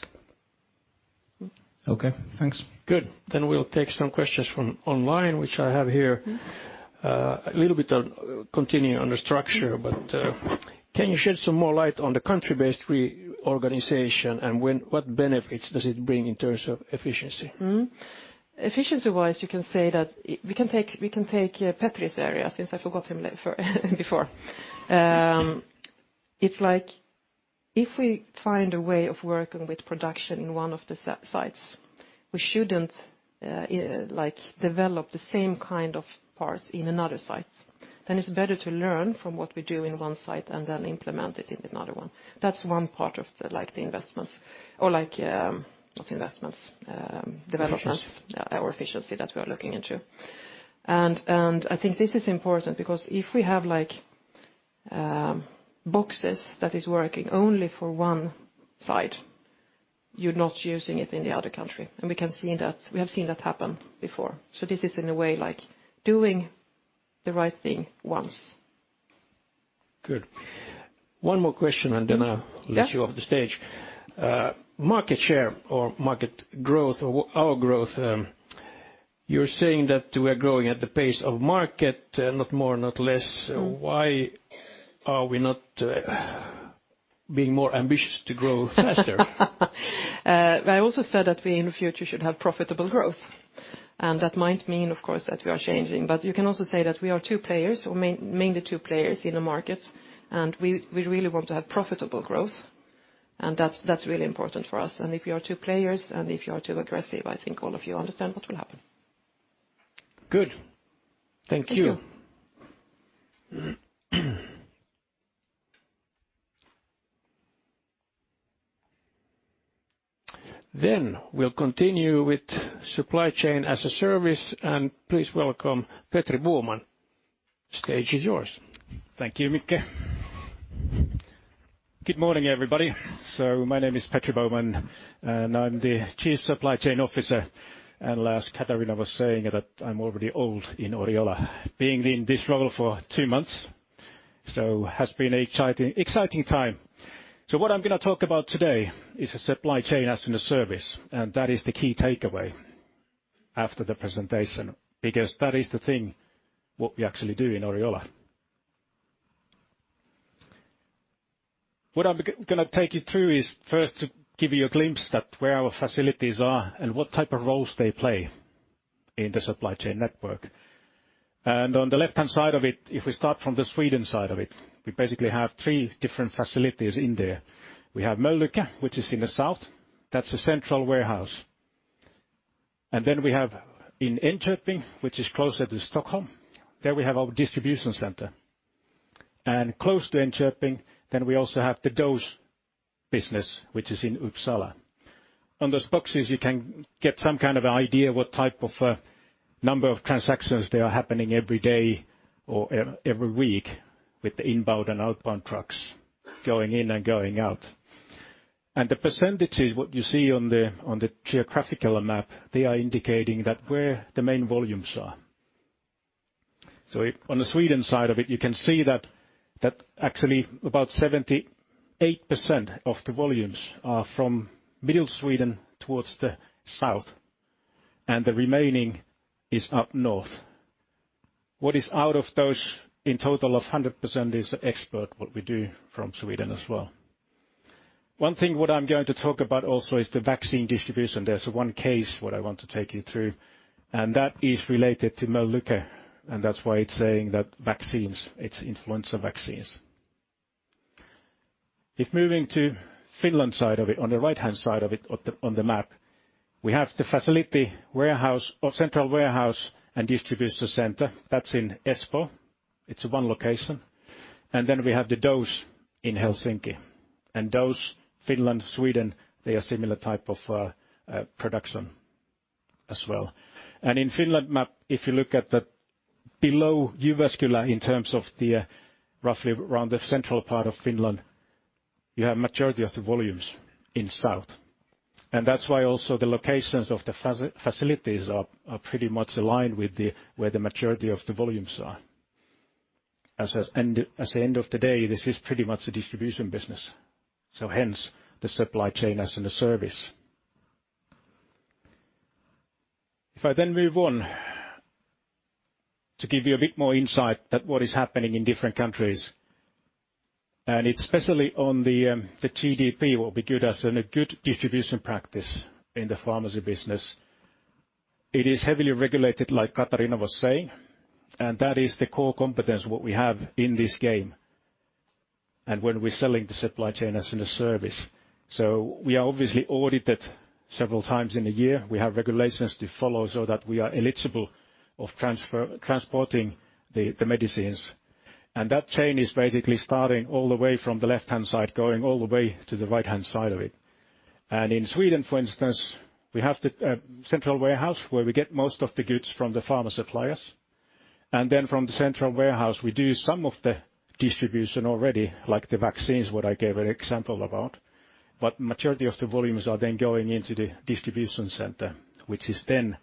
Okay, thanks. Good. We'll take some questions from online, which I have here. Mm-hmm. A little bit of continue on the structure, but can you shed some more light on the country-based reorganization, and what benefits does it bring in terms of efficiency? Efficiency-wise, you can say that we can take Petri's area since I forgot him before. It's like if we find a way of working with production in one of the sites, we shouldn't, like, develop the same kind of parts in another site. It's better to learn from what we do in one site and then implement it in another one. That's one part of the, like, the investments or like, not investments. Efficiency. Developments or efficiency that we are looking into. I think this is important because if we have, like, boxes that is working only for one side, you're not using it in the other country, and we can see that. We have seen that happen before. This is in a way, like, doing the right thing once. Good. One more question. Yeah. And then let you off the stage. Market share or market growth or our growth, you're saying that we're growing at the pace of market, not more, not less. Mm-hmm. Why are we not being more ambitious to grow faster? I also said that we, in the future, should have profitable growth. That might mean, of course, that we are changing. You can also say that we are two players or mainly two players in the market, and we really want to have profitable growth, and that's really important for us. If you are two players and if you are too aggressive, I think all of you understand what will happen. Good. Thank you. Thank you. We'll continue with supply chain as a service, and please welcome Petri Boman. Stage is yours. Thank you, Mikke. Good morning, everybody. My name is Petri Boman, and I'm the Chief Supply Chain Officer. Last Katarina was saying that I'm already old in Oriola, being in this role for two months, has been exciting time. What I'm gonna talk about today is a supply chain as in a service, and that is the key takeaway after the presentation, because that is the thing what we actually do in Oriola. What I'm gonna take you through is first to give you a glimpse that where our facilities are and what type of roles they play in the supply chain network. On the left-hand side of it, if we start from the Sweden side of it, we basically have three different facilities in there. We have Mölnlycke, which is in the south. That's a central warehouse. We have in Enköping, which is closer to Stockholm, there we have our distribution center. Close to Enköping, we also have the dose business, which is in Uppsala. On those boxes, you can get some kind of idea what type of a number of transactions they are happening every day or every week with the inbound and outbound trucks going in and going out. The percentages, what you see on the geographical map, they are indicating that where the main volumes are. On the Sweden side of it, you can see that actually about 78% of the volumes are from middle Sweden towards the south, and the remaining is up north. What is out of those in total of 100% is the export, what we do from Sweden as well. One thing what I'm going to talk about also is the vaccine distribution. There's one case what I want to take you through, and that is related to Mölnlycke, and that's why it's saying that vaccines, it's influencer vaccines. If moving to Finland side, on the right-hand side of it, on the map, we have the facility warehouse or central warehouse and distribution center. That's in Espoo. It's one location. Then we have the dose in Helsinki. Dose Finland, Sweden, they are similar type of production as well. In Finland map, if you look at the below Jyväskylä in terms of the roughly around the central part of Finland, you have majority of the volumes in south. That's why also the locations of the facilities are pretty much aligned with where the majority of the volumes are. At the end of the day, this is pretty much a distribution business. Hence the supply chain as in a service. If I move on, to give you a bit more insight that what is happening in different countries. It's especially on the GDP, what we good at, in Good Distribution Practice in the pharmacy business. It is heavily regulated, like Katarina was saying. That is the core competence what we have in this game, when we're selling the supply chain as in a service. We are obviously audited several times in a year. We have regulations to follow so that we are eligible of transporting the medicines. That chain is basically starting all the way from the left-hand side, going all the way to the right-hand side of it. In Sweden, for instance, we have the central warehouse where we get most of the goods from the pharma suppliers. From the central warehouse, we do some of the distribution already, like the vaccines, what I gave an example about. Majority of the volumes are then going into the distribution center, which is then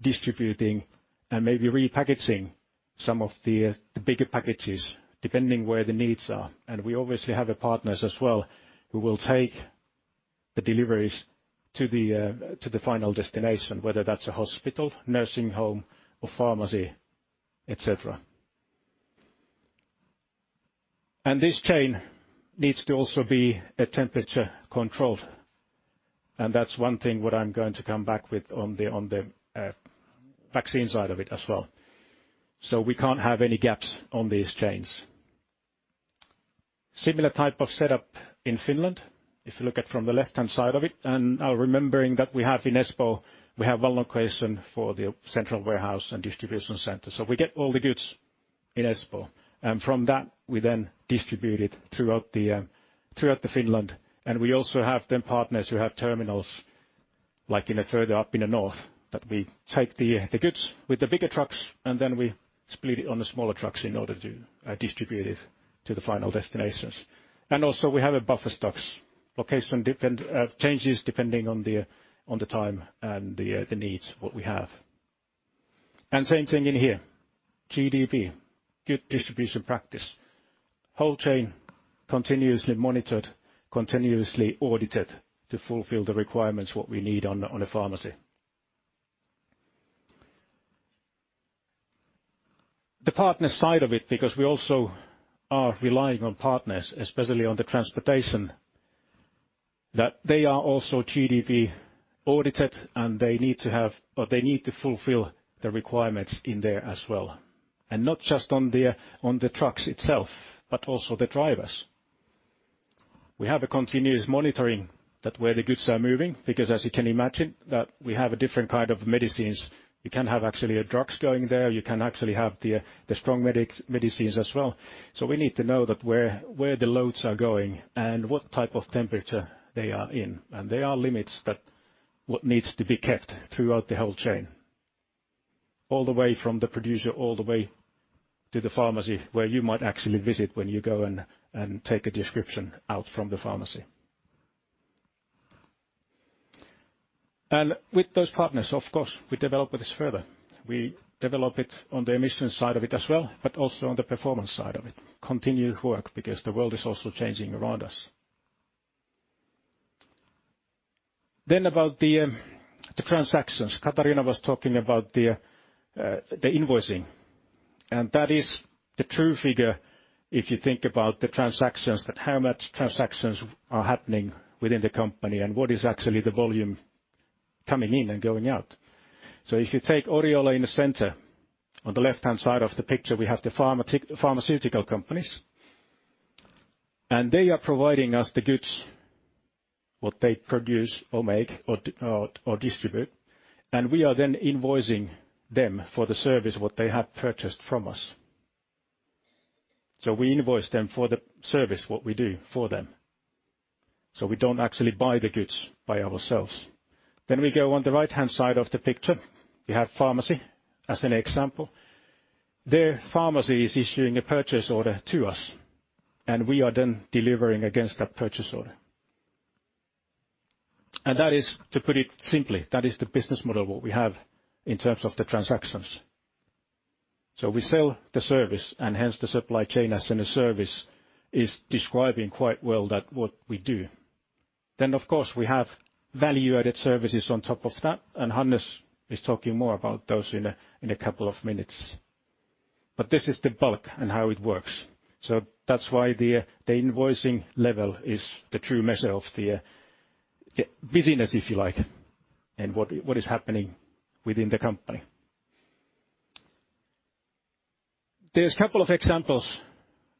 distributing and maybe repackaging some of the bigger packages depending where the needs are. We obviously have partners as well who will take the deliveries to the final destination, whether that's a hospital, nursing home or pharmacy, et cetera. This chain needs to also be temperature-controlled. That's one thing I'm going to come back with on the vaccine side of it as well. We can't have any gaps on these chains. Similar type of setup in Finland. If you look at from the left-hand side of it, and now remembering that we have in Espoo, we have one location for the central warehouse and distribution center. We get all the goods in Espoo, and from that we then distribute it throughout Finland. We also have them partners who have terminals, like in a further up in the north, that we take the goods with the bigger trucks, and then we split it on the smaller trucks in order to distribute it to the final destinations. Also, we have buffer stocks. Location changes depending on the time and the needs what we have. Same thing in here, GDP, Good Distribution Practice. Whole chain continuously monitored, continuously audited to fulfill the requirements what we need on a pharmacy. The partner side of it, because we also are relying on partners, especially on the transportation, that they are also GDP-audited, and they need to have or fulfill the requirements in there as well. Not just on the trucks itself, but also the drivers. We have a continuous monitoring that where the goods are moving, because as you can imagine that we have a different kind of medicines. You can have actually a drugs going there. You can actually have the strong medicines as well. We need to know that where the loads are going and what type of temperature they are in. There are limits that what needs to be kept throughout the whole chain, all the way from the producer all the way to the pharmacy where you might actually visit when you go and take a prescription out from the pharmacy. With those partners, of course, we developed this further. We developed it on the emission side of it as well, but also on the performance side of it. Continued work because the world is also changing around us. About the transactions. Katarina was talking about the invoicing, and that is the true figure if you think about the transactions, that how much transactions are happening within the company and what is actually the volume coming in and going out. If you take Oriola in the center, on the left-hand side of the picture, we have the pharmaceutical companies, they are providing us the goods, what they produce or make or distribute, we are then invoicing them for the service what they have purchased from us. We invoice them for the service, what we do for them. We don't actually buy the goods by ourselves. We go on the right-hand side of the picture, we have pharmacy as an example. The pharmacy is issuing a purchase order to us, we are then delivering against that purchase order. That is, to put it simply, that is the business model, what we have in terms of the transactions. We sell the service, and hence the supply chain as in a service is describing quite well that what we do. Of course we have value-added services on top of that, and Hannes is talking more about those in a couple of minutes. This is the bulk and how it works. That's why the invoicing level is the true measure of the busyness, if you like, and what is happening within the company. There's a couple of examples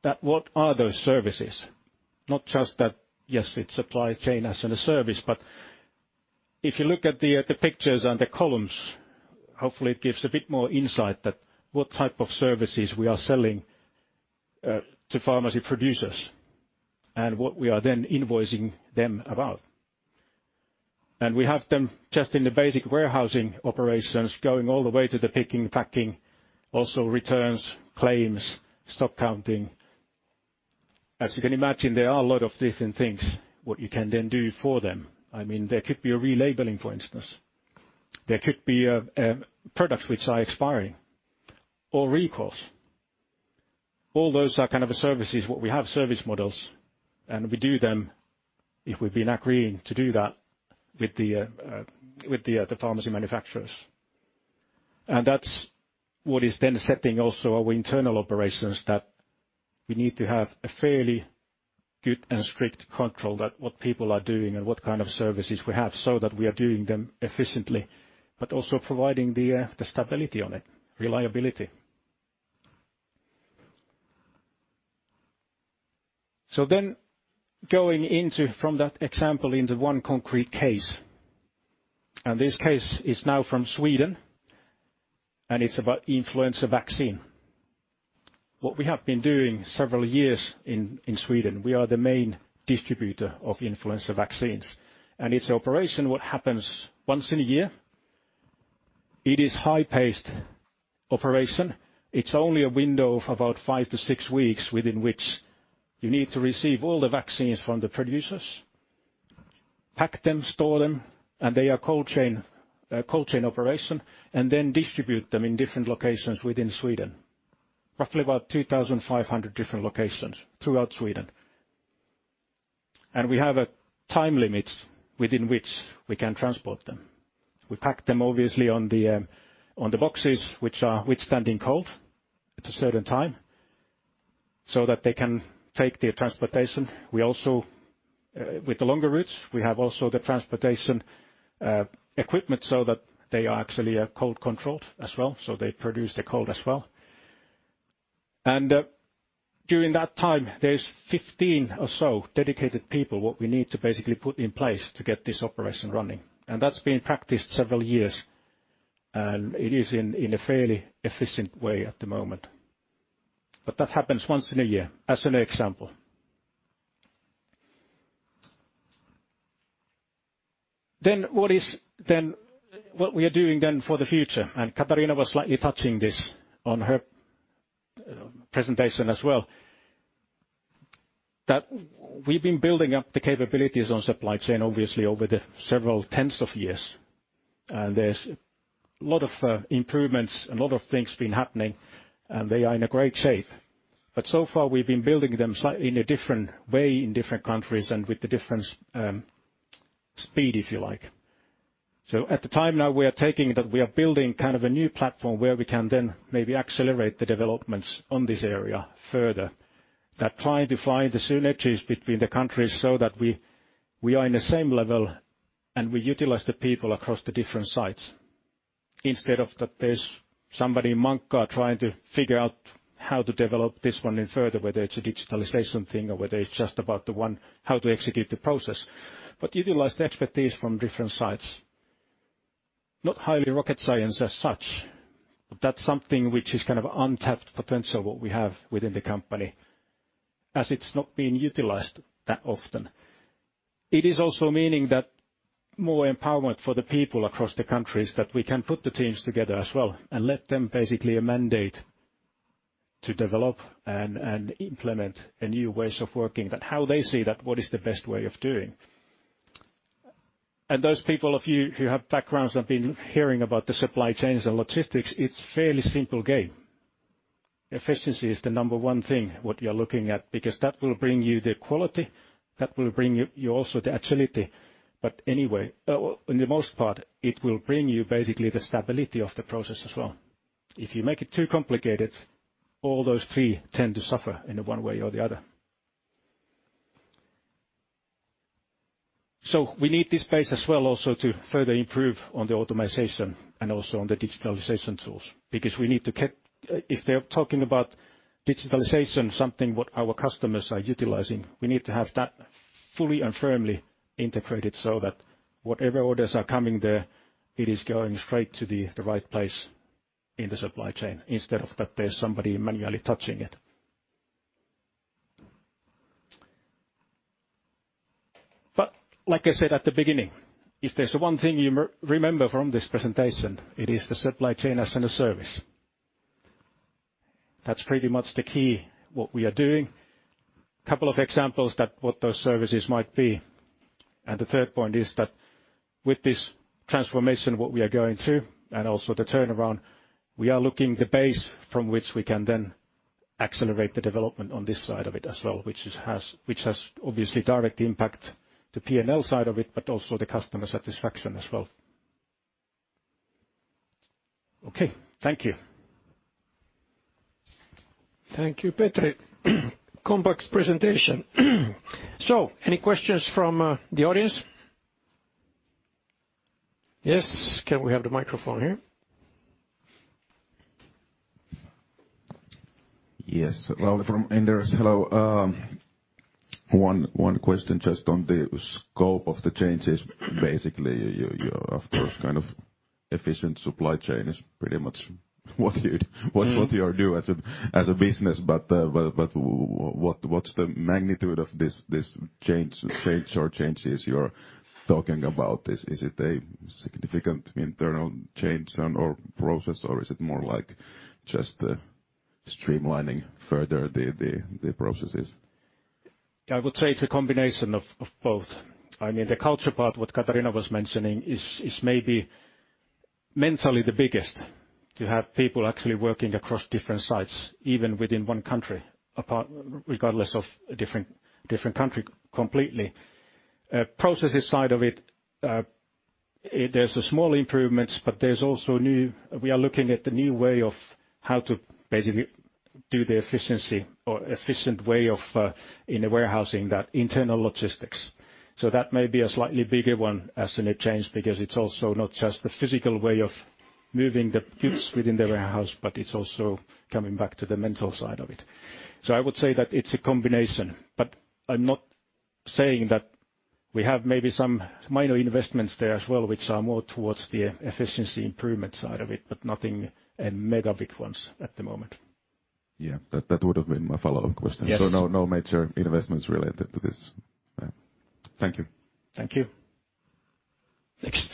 that what are those services, not just that, yes, it's supply chain as in a service, but if you look at the pictures and the columns, hopefully it gives a bit more insight that what type of services we are selling to pharmacy producers and what we are then invoicing them about. We have them just in the basic warehousing operations going all the way to the picking, packing, also returns, claims, stock counting. As you can imagine, there are a lot of different things what you can then do for them. I mean, there could be a relabeling, for instance. There could be products which are expiring or recalls. All those are kind of services, what we have service models, and we do them if we've been agreeing to do that with the pharmacy manufacturers. That's what is then setting also our internal operations that we need to have a fairly good and strict control that what people are doing and what kind of services we have so that we are doing them efficiently, but also providing the stability on it, reliability. Going into from that example into one concrete case, and this case is now from Sweden, and it's about influenza vaccine. What we have been doing several years in Sweden, we are the main distributor of influenza vaccines. Its operation, what happens once in a year, it is high-paced operation. It's only a window of about five-six weeks within which you need to receive all the vaccines from the producers, pack them, store them, and they are cold chain operation, and then distribute them in different locations within Sweden, roughly about 2,500 different locations throughout Sweden. We have a time limit within which we can transport them. We pack them obviously on the boxes which are withstanding cold at a certain time so that they can take the transportation. With the longer routes, we have also the transportation equipment so that they are actually cold-controlled as well. They produce the cold as well. During that time, there's 15 or so dedicated people what we need to basically put in place to get this operation running. That's been practiced several years, and it is in a fairly efficient way at the moment. That happens once in a year, as an example. What we are doing then for the future, and Katarina was slightly touching this on her presentation as well, that we've been building up the capabilities on supply chain obviously over the several tens of years. There's a lot of improvements and a lot of things been happening, and they are in a great shape. So far, we've been building them slightly in a different way in different countries and with the different speed, if you like. At the time now, we are taking that we are building kind of a new platform where we can then maybe accelerate the developments on this area further. That trying to find the synergies between the countries so that we are in the same level and we utilize the people across the different sites instead of that there's somebody in Mankkaa trying to figure out how to develop this one in further, whether it's a digitalization thing or whether it's just about the one how to execute the process, but utilize the expertise from different sites. Not highly rocket science as such, but that's something which is kind of untapped potential what we have within the company as it's not been utilized that often. It is also meaning that more empowerment for the people across the countries that we can put the teams together as well and let them basically a mandate to develop and implement new ways of working that how they see that what is the best way of doing. Those people of you who have backgrounds have been hearing about the supply chains and logistics, it's fairly simple game. Efficiency is the number one thing what you're looking at because that will bring you the quality, that will bring you also the agility. Anyway, well, in the most part, it will bring you basically the stability of the process as well. If you make it too complicated, all those three tend to suffer in one way or the other. We need this space as well also to further improve on the automation and also on the digitalization tools. If they're talking about digitalization, something what our customers are utilizing, we need to have that fully and firmly integrated so that whatever orders are coming there, it is going straight to the right place in the supply chain instead of that there's somebody manually touching it. Like I said at the beginning, if there's one thing you remember from this presentation, it is the supply chain as a service. That's pretty much the key what we are doing. Couple of examples that what those services might be. The third point is that with this transformation what we are going through and also the turnaround, we are looking the base from which we can then accelerate the development on this side of it as well, which has obviously directly impact to P&L side of it, but also the customer satisfaction as well. Okay, thank you. Thank you, Petri. Compact presentation. Any questions from the audience? Yes. Can we have the microphone here? Yes. Rauli from Inderes. Hello. One question just on the scope of the changes. Basically, you're of course kind of efficient supply chain is pretty much. Mm. What you do as a business. What's the magnitude of this change or changes you're talking about? Is it a significant internal change and/or process, or is it more like just streamlining further the processes? I would say it's a combination of both. I mean, the culture part, what Katarina was mentioning is maybe mentally the biggest to have people actually working across different sites, even within one country, regardless of different country completely. Processes side of it, there's a small improvements, but there's also new. We are looking at the new way of how to basically do the efficiency or efficient way of in the warehousing that internal logistics. That may be a slightly bigger one as in a change, because it's also not just the physical way of moving the goods within the warehouse, but it's also coming back to the mental side of it. I would say that it's a combination, but I'm not saying that we have maybe some minor investments there as well, which are more towards the efficiency improvement side of it, but nothing in mega big ones at the moment. Yeah. That would have been my follow-up question. Yes. No, no major investments related to this. Thank you. Thank you. Next.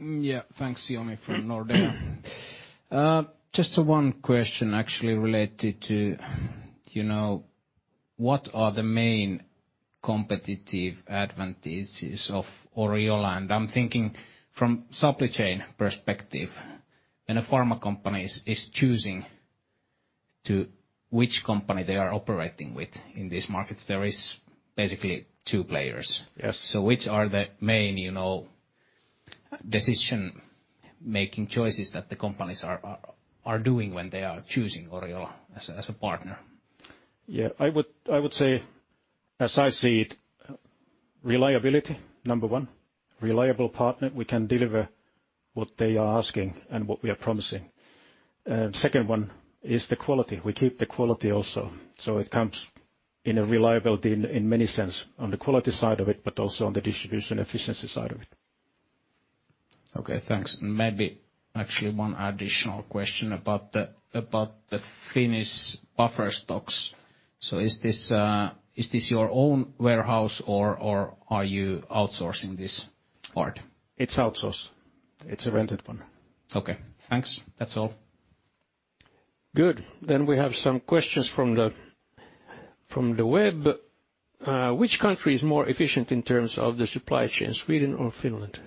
Yeah. Thanks. Joni from Nordea. Just one question actually related to, you know, what are the main competitive advantages of Oriola? I'm thinking from supply chain perspective, and a pharma company is choosing to which company they are operating with. In this market, there is basically two players. Yes. Which are the main, you know, decision-making choices that the companies are doing when they are choosing Oriola as a partner? Yeah. I would say, as I see it, reliability, number one. Reliable partner, we can deliver what they are asking and what we are promising. Second one is the quality. We keep the quality also. It comes in a reliability in many sense on the quality side of it, but also on the distribution efficiency side of it. Okay, thanks. Maybe actually one additional question about the Finnish buffer stocks. Is this your own warehouse or are you outsourcing this part? It's outsource. It's a rented one. Okay, thanks. That's all. Good. We have some questions from the web: "Which country is more efficient in terms of the supply chain, Sweden or Finland?"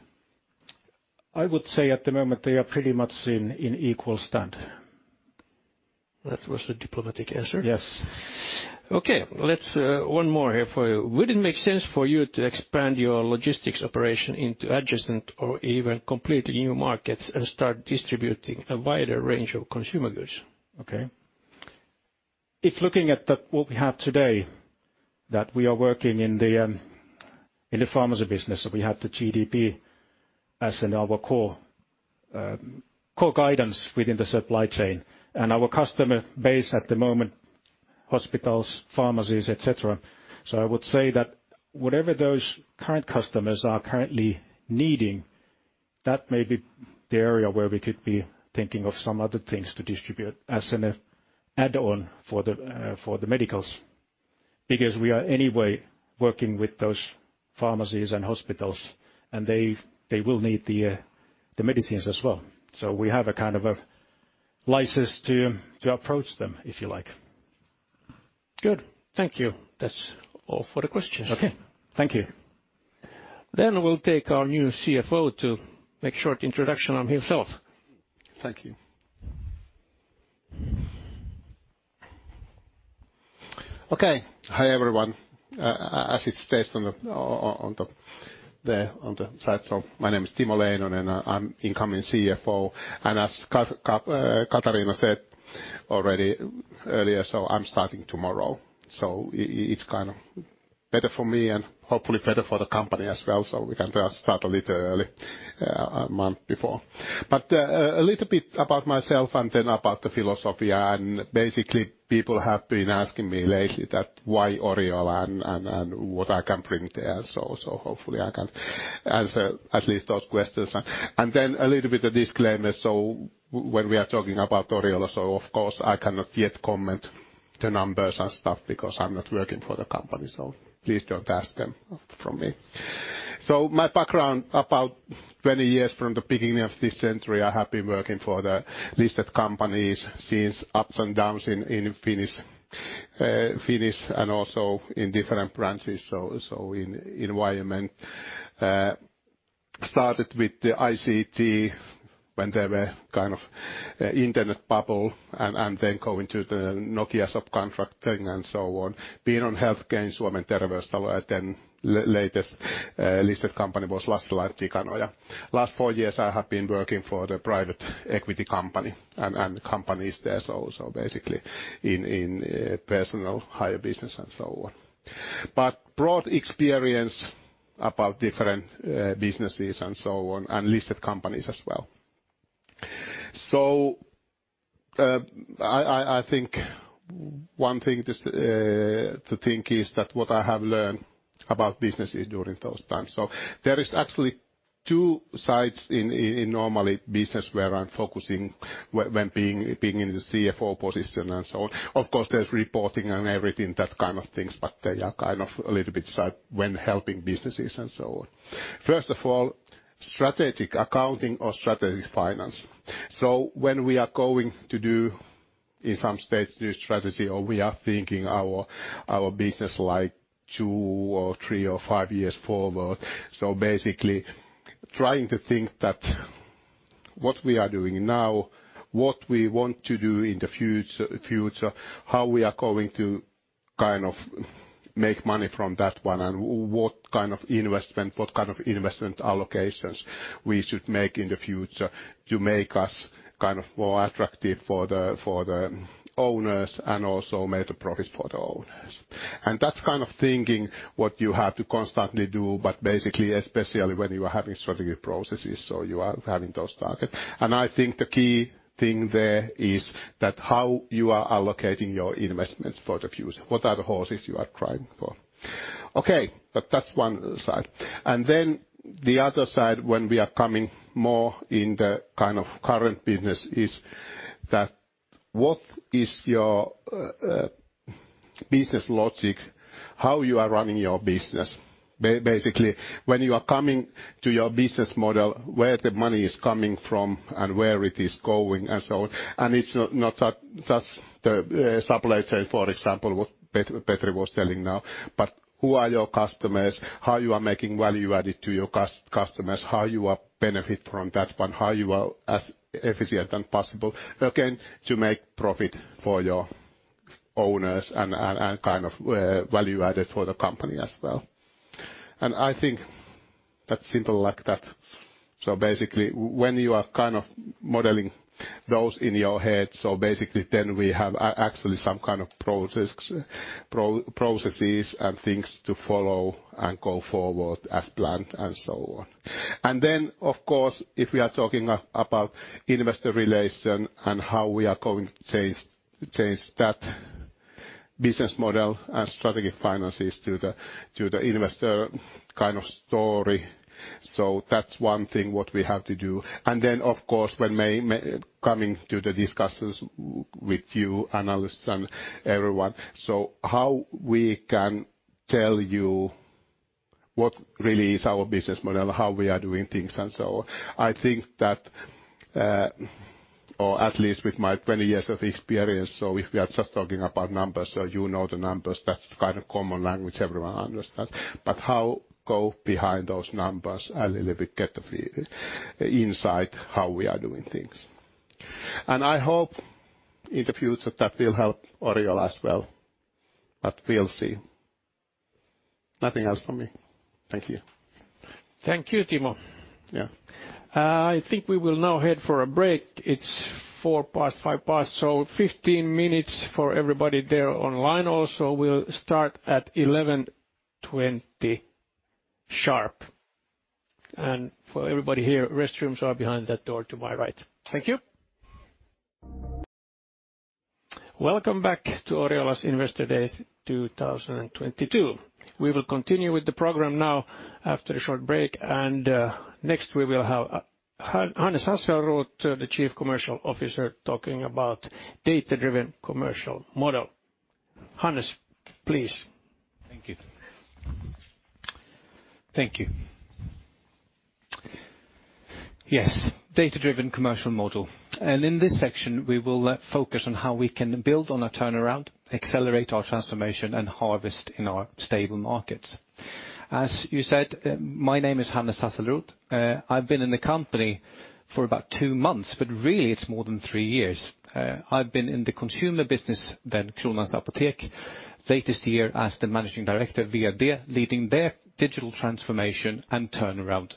I would say at the moment, they are pretty much in equal stand. That was a diplomatic answer. Yes. Okay, let's, one more here for you: "Would it make sense for you to expand your logistics operation into adjacent or even completely new markets and start distributing a wider range of consumer goods?" Okay. If looking at what we have today, that we are working in the pharmacy business, we have the GDP as in our core guidance within the supply chain and our customer base at the moment, hospitals, pharmacies, et cetera. I would say that whatever those current customers are currently needing, that may be the area where we could be thinking of some other things to distribute as an add-on for the medicals. We are anyway working with those pharmacies and hospitals, and they will need the medicines as well. We have a kind of a license to approach them, if you like. Good. Thank you. That's all for the questions. Okay. Thank you. We'll take our new CFO to make short introduction on himself. Thank you. Hi, everyone. As it says on the slide. My name is Timo Leinonen, and I'm incoming CFO. As Katarina said already earlier, I'm starting tomorrow. It's kind of better for me and hopefully better for the company as well. We can just start a little early, a month before. A little bit about myself and then about the philosophy. Basically people have been asking me lately that why Oriola and what I can bring there. Hopefully I can answer at least those questions. A little bit of disclaimer. When we are talking about Oriola, of course, I cannot yet comment the numbers and stuff because I'm not working for the company, please don't ask them from me. My background, about 20 years from the beginning of this century, I have been working for the listed companies since ups and downs in Finnish and also in different branches. In environment. Started with the ICT when there were kind of internet bubble and then go into the Nokia subcontracting and so on. Been on healthcare, Suomen Terveystalo, and then latest listed company was Lassila & Tikanoja. Last four years, I have been working for the private equity company and companies there, so basically in personal hire business and so on. Broad experience about different businesses and so on, and listed companies as well. I think one thing to think is that what I have learned about businesses during those times. There are actually two sides in normally business where I'm focusing when being in the CFO position and so on. Of course, there's reporting and everything, that kind of things, but they are kind of a little bit side when helping businesses and so on. First of all, strategic accounting or strategic finance. When we are going to do in some stage new strategy or we are thinking our business like two or three or five years forward. Basically trying to think that what we are doing now, what we want to do in the future, how we are going to kind of make money from that one, and what kind of investment allocations we should make in the future to make us kind of more attractive for the owners and also make a profit for the owners. That kind of thinking, what you have to constantly do, but basically especially when you are having strategic processes, so you are having those targets. I think the key thing there is that how you are allocating your investments for the future, what are the horses you are trying for. That's one side. The other side, when we are coming more in the kind of current business, is that what is your business logic, how you are running your business? Basically when you are coming to your business model, where the money is coming from and where it is going, and so on. It's not just the supply chain, for example, what Petri was telling now, but who are your customers, how you are making value added to your customers, how you are benefit from that one, how you are as efficient as possible, again, to make profit for your owners and kind of value added for the company as well. I think that's simple like that. Basically when you are kind of modeling those in your head, so basically then we have actually some kind of process, processes and things to follow and go forward as planned and so on. Then of course if we are talking about investor relation and how we are going to change that business model and strategic finances to the investor kind of story. That's one thing what we have to do. Then of course when coming to the discussions with you analysts and everyone, so how we can tell you what really is our business model, how we are doing things, and so on. I think that, or at least with my 20 years of experience, so if we are just talking about numbers, so you know the numbers, that's the kind of common language everyone understands. How go behind those numbers a little bit, get the insight how we are doing things. I hope in the future that will help Oriola as well, but we'll see. Nothing else from me. Thank you. Thank you, Timo. Yeah. I think we will now head for a break. It's 4 past, 5 past, so 15 minutes for everybody there online also. We'll start at 11:20 sharp. For everybody here, restrooms are behind that door to my right. Thank you. Welcome back to Oriola's Investor Day 2022. We will continue with the program now after a short break, and next we will have Hannes Hasselrot, the Chief Commercial Officer, talking about data-driven commercial model. Hannes, please. Thank you. Thank you. Yes, data-driven commercial model. In this section we will focus on how we can build on our turnaround, accelerate our transformation, and harvest in our stable markets. As you said, my name is Hannes Hasselrot. I've been in the company for about two months, but really it's more than three years. I've been in the consumer business, Kronans Apotek, latest year as the managing director leading their digital transformation and turnaround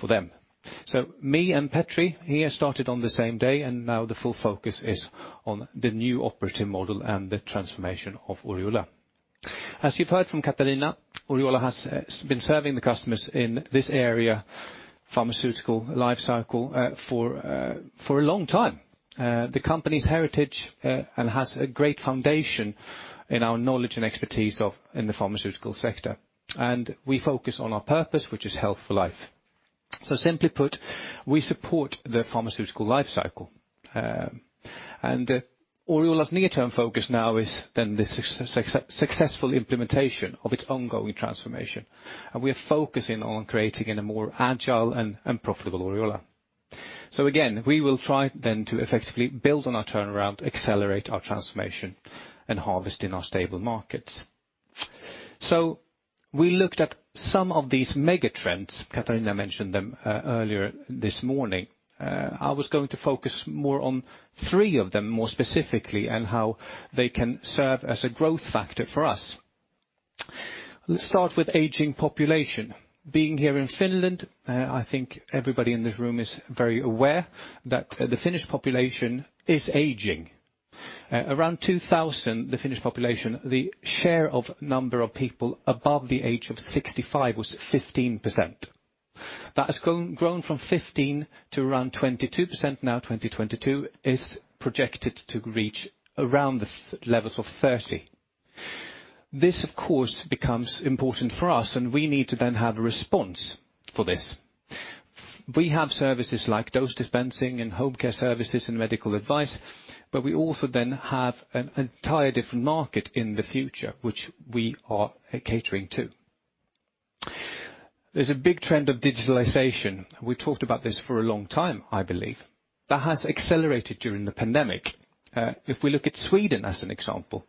for them. Me and Petri here started on the same day and now the full focus is on the new operating model and the transformation of Oriola. As you've heard from Katarina, Oriola has been serving the customers in this area, pharmaceutical life cycle, for a long time. The company's heritage has a great foundation in our knowledge and expertise in the pharmaceutical sector. We focus on our purpose, which is health for life. Simply put, we support the pharmaceutical life cycle. Oriola's near-term focus now is then the successful implementation of its ongoing transformation, we are focusing on creating in a more agile and profitable Oriola. Again, we will try then to effectively build on our turnaround, accelerate our transformation, and harvest in our stable markets. We looked at some of these mega trends, Katarina mentioned them earlier this morning. I was going to focus more on three of them more specifically and how they can serve as a growth factor for us. Let's start with aging population. Being here in Finland, I think everybody in this room is very aware that the Finnish population is aging. Around 2000, the Finnish population, the share of number of people above the age of 65 was 15%. That has grown from 15 to around 22%; now 2022, is projected to reach around the levels of 30. This of course becomes important for us and we need to then have a response for this. We have services like dose dispensing and home care services and medical advice, but we also then have an entire different market in the future which we are catering to. There's a big trend of digitalization, we talked about this for a long time, I believe, that has accelerated during the pandemic. If we look at Sweden as an example,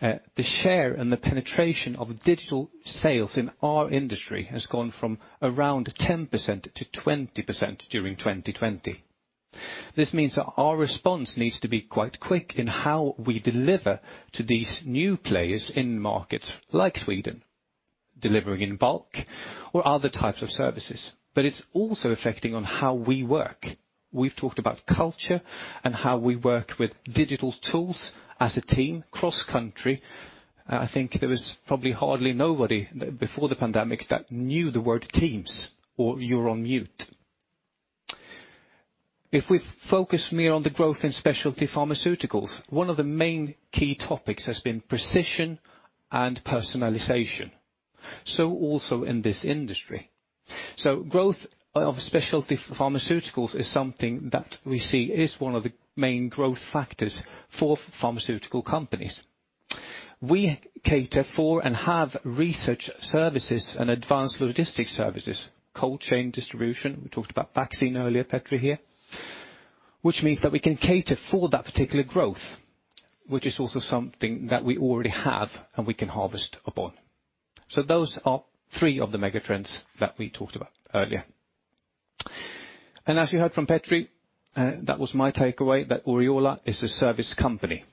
the share and the penetration of digital sales in our industry has gone from around 10% to 20% during 2020. This means that our response needs to be quite quick in how we deliver to these new players in markets like Sweden, delivering in bulk or other types of services. It's also affecting on how we work. We've talked about culture and how we work with digital tools as a team cross-country. I think there was probably hardly nobody before the pandemic that knew the word Teams or "you're on mute." If we focus more on the growth in specialty pharmaceuticals, one of the main key topics has been precision and personalizatio, also in this industry. Growth of specialty pharmaceuticals is something that we see is one of the main growth factors for pharmaceutical companies. We cater for and have research services and advanced logistics services, cold chain distribution. We talked about vaccine earlier, Petri here. Which means that we can cater for that particular growth, which is also something that we already have, and we can harvest upon. Those are three of the megatrends that we talked about earlier. As you heard from Petri, that was my takeaway, that Oriola is a service company.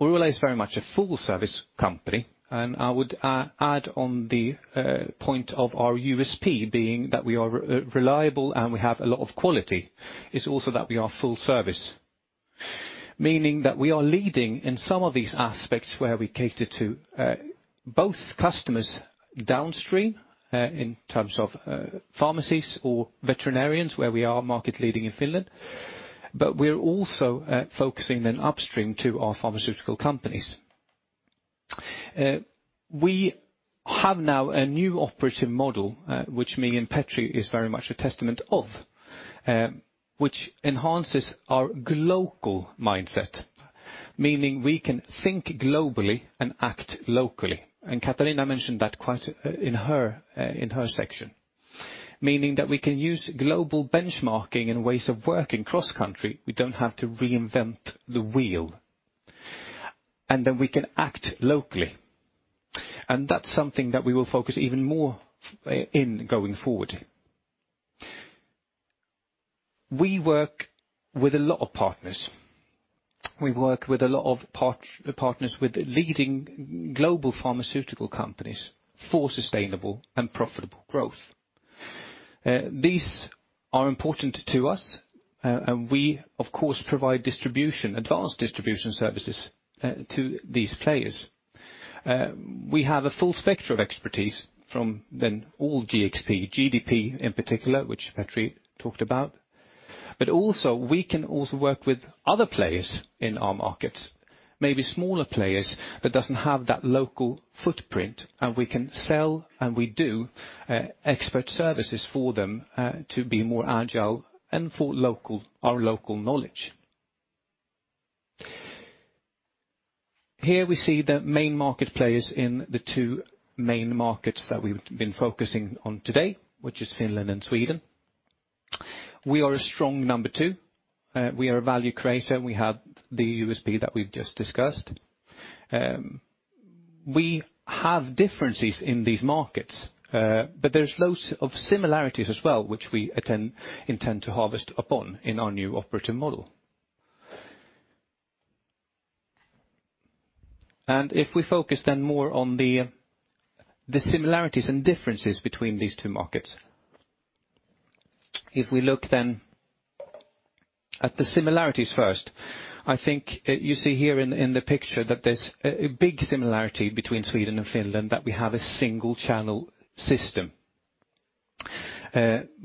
Oriola is very much a full service company, and I would add on the point of our USP being that we are reliable and we have a lot of quality, is also that we are full service. Meaning that we are leading in some of these aspects where we cater to both customers downstream, in terms of pharmacies or veterinarians, where we are market leading in Finland, but we're also focusing then upstream to our pharmaceutical companies. We have now a new operative model, which me and Petri is very much a testament of, which enhances our glocal mindset. Meaning we can think globally and act locally. Katarina mentioned that quite in her, in her section. Meaning that we can use global benchmarking and ways of working cross-country, we don't have to reinvent the wheel. We can act locally. That's something that we will focus even more in going forward. We work with a lot of partners. We work with a lot of partners with leading global pharmaceutical companies for sustainable and profitable growth. These are important to us, we of course provide distribution, advanced distribution services to these players. We have a full spectrum of expertise from then all GXP, GDP in particular, which Petri talked about. Also, we can also work with other players in our markets, maybe smaller players that doesn't have that local footprint, and we can sell, and we do, expert services for them, to be more agile and for our local knowledge. Here we see the main market players in the two main markets that we've been focusing on today, which is Finland and Sweden. We are a strong number two. We are a value creator. We have the USP that we've just discussed. We have differences in these markets, but there's loads of similarities as well, which we intend to harvest upon in our new operating model. If we focus then more on the similarities and differences between these two markets. If we look then at the similarities first, I think you see here in the picture that there's a big similarity between Sweden and Finland, that we have a single-channel system,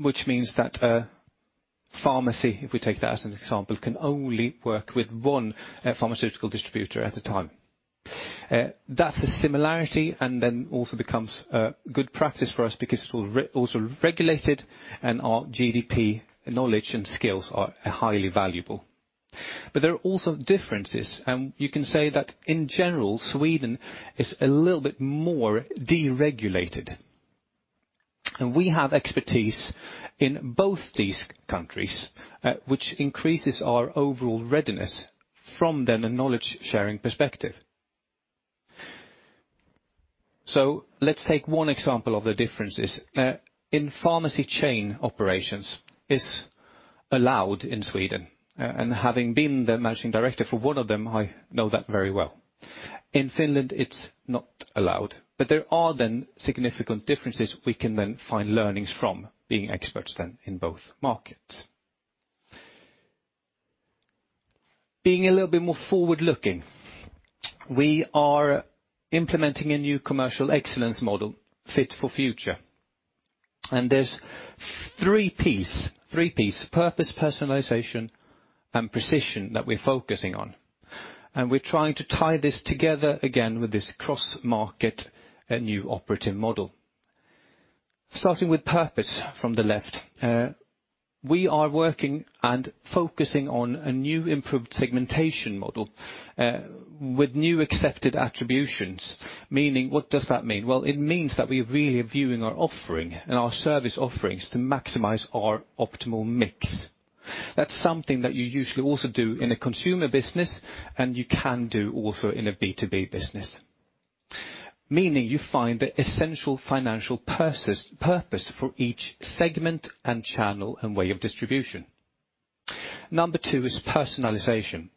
which means that a pharmacy, if we take that as an example, can only work with one pharmaceutical distributor at a time. That's the similarity and then also becomes good practice for us because it's also regulated and our GDP knowledge and skills are highly valuable. There are also differences, and you can say that in general, Sweden is a little bit more deregulated. We have expertise in both these countries, which increases our overall readiness from then a knowledge-sharing perspective. Let's take one example of the differences. In pharmacy chain operations is allowed in Sweden, and having been the managing director for 1 of them, I know that very well. In Finland, it's not allowed. There are then significant differences we can then find learnings from being experts then in both markets. Being a little bit more forward-looking, we are implementing a new commercial excellence model fit for future. There's three Ps: purpose, personalization, and precision that we're focusing on. We're trying to tie this together again with this cross-market, a new operating model. Starting with purpose from the left, we are working and focusing on a new improved segmentation model with new accepted attributions. Meaning, what does that mean? Well, it means that we really are viewing our offering and our service offerings to maximize our optimal mix. That's something that you usually also do in a consumer business, and you can do also in a B2B business. Meaning you find the essential financial purpose for each segment and channel and way of distribution. Number two is personalization.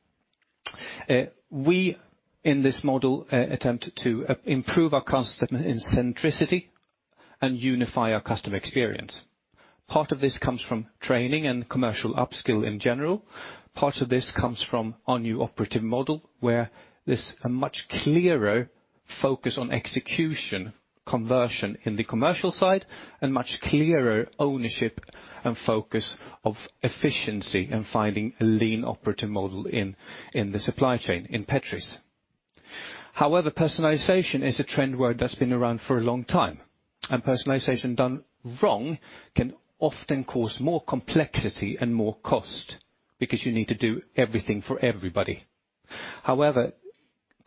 We, in this model, attempt to improve our customer centricity and unify our customer experience. Part of this comes from training and commercial upskill in general. Part of this comes from our new operative model, where there's a much clearer focus on execution, conversion in the commercial side, and much clearer ownership and focus of efficiency and finding a lean operative model in the supply chain in Petri's. However, personalization is a trend word that's been around for a long time, and personalization done wrong can often cause more complexity and more cost because you need to do everything for everybody. However,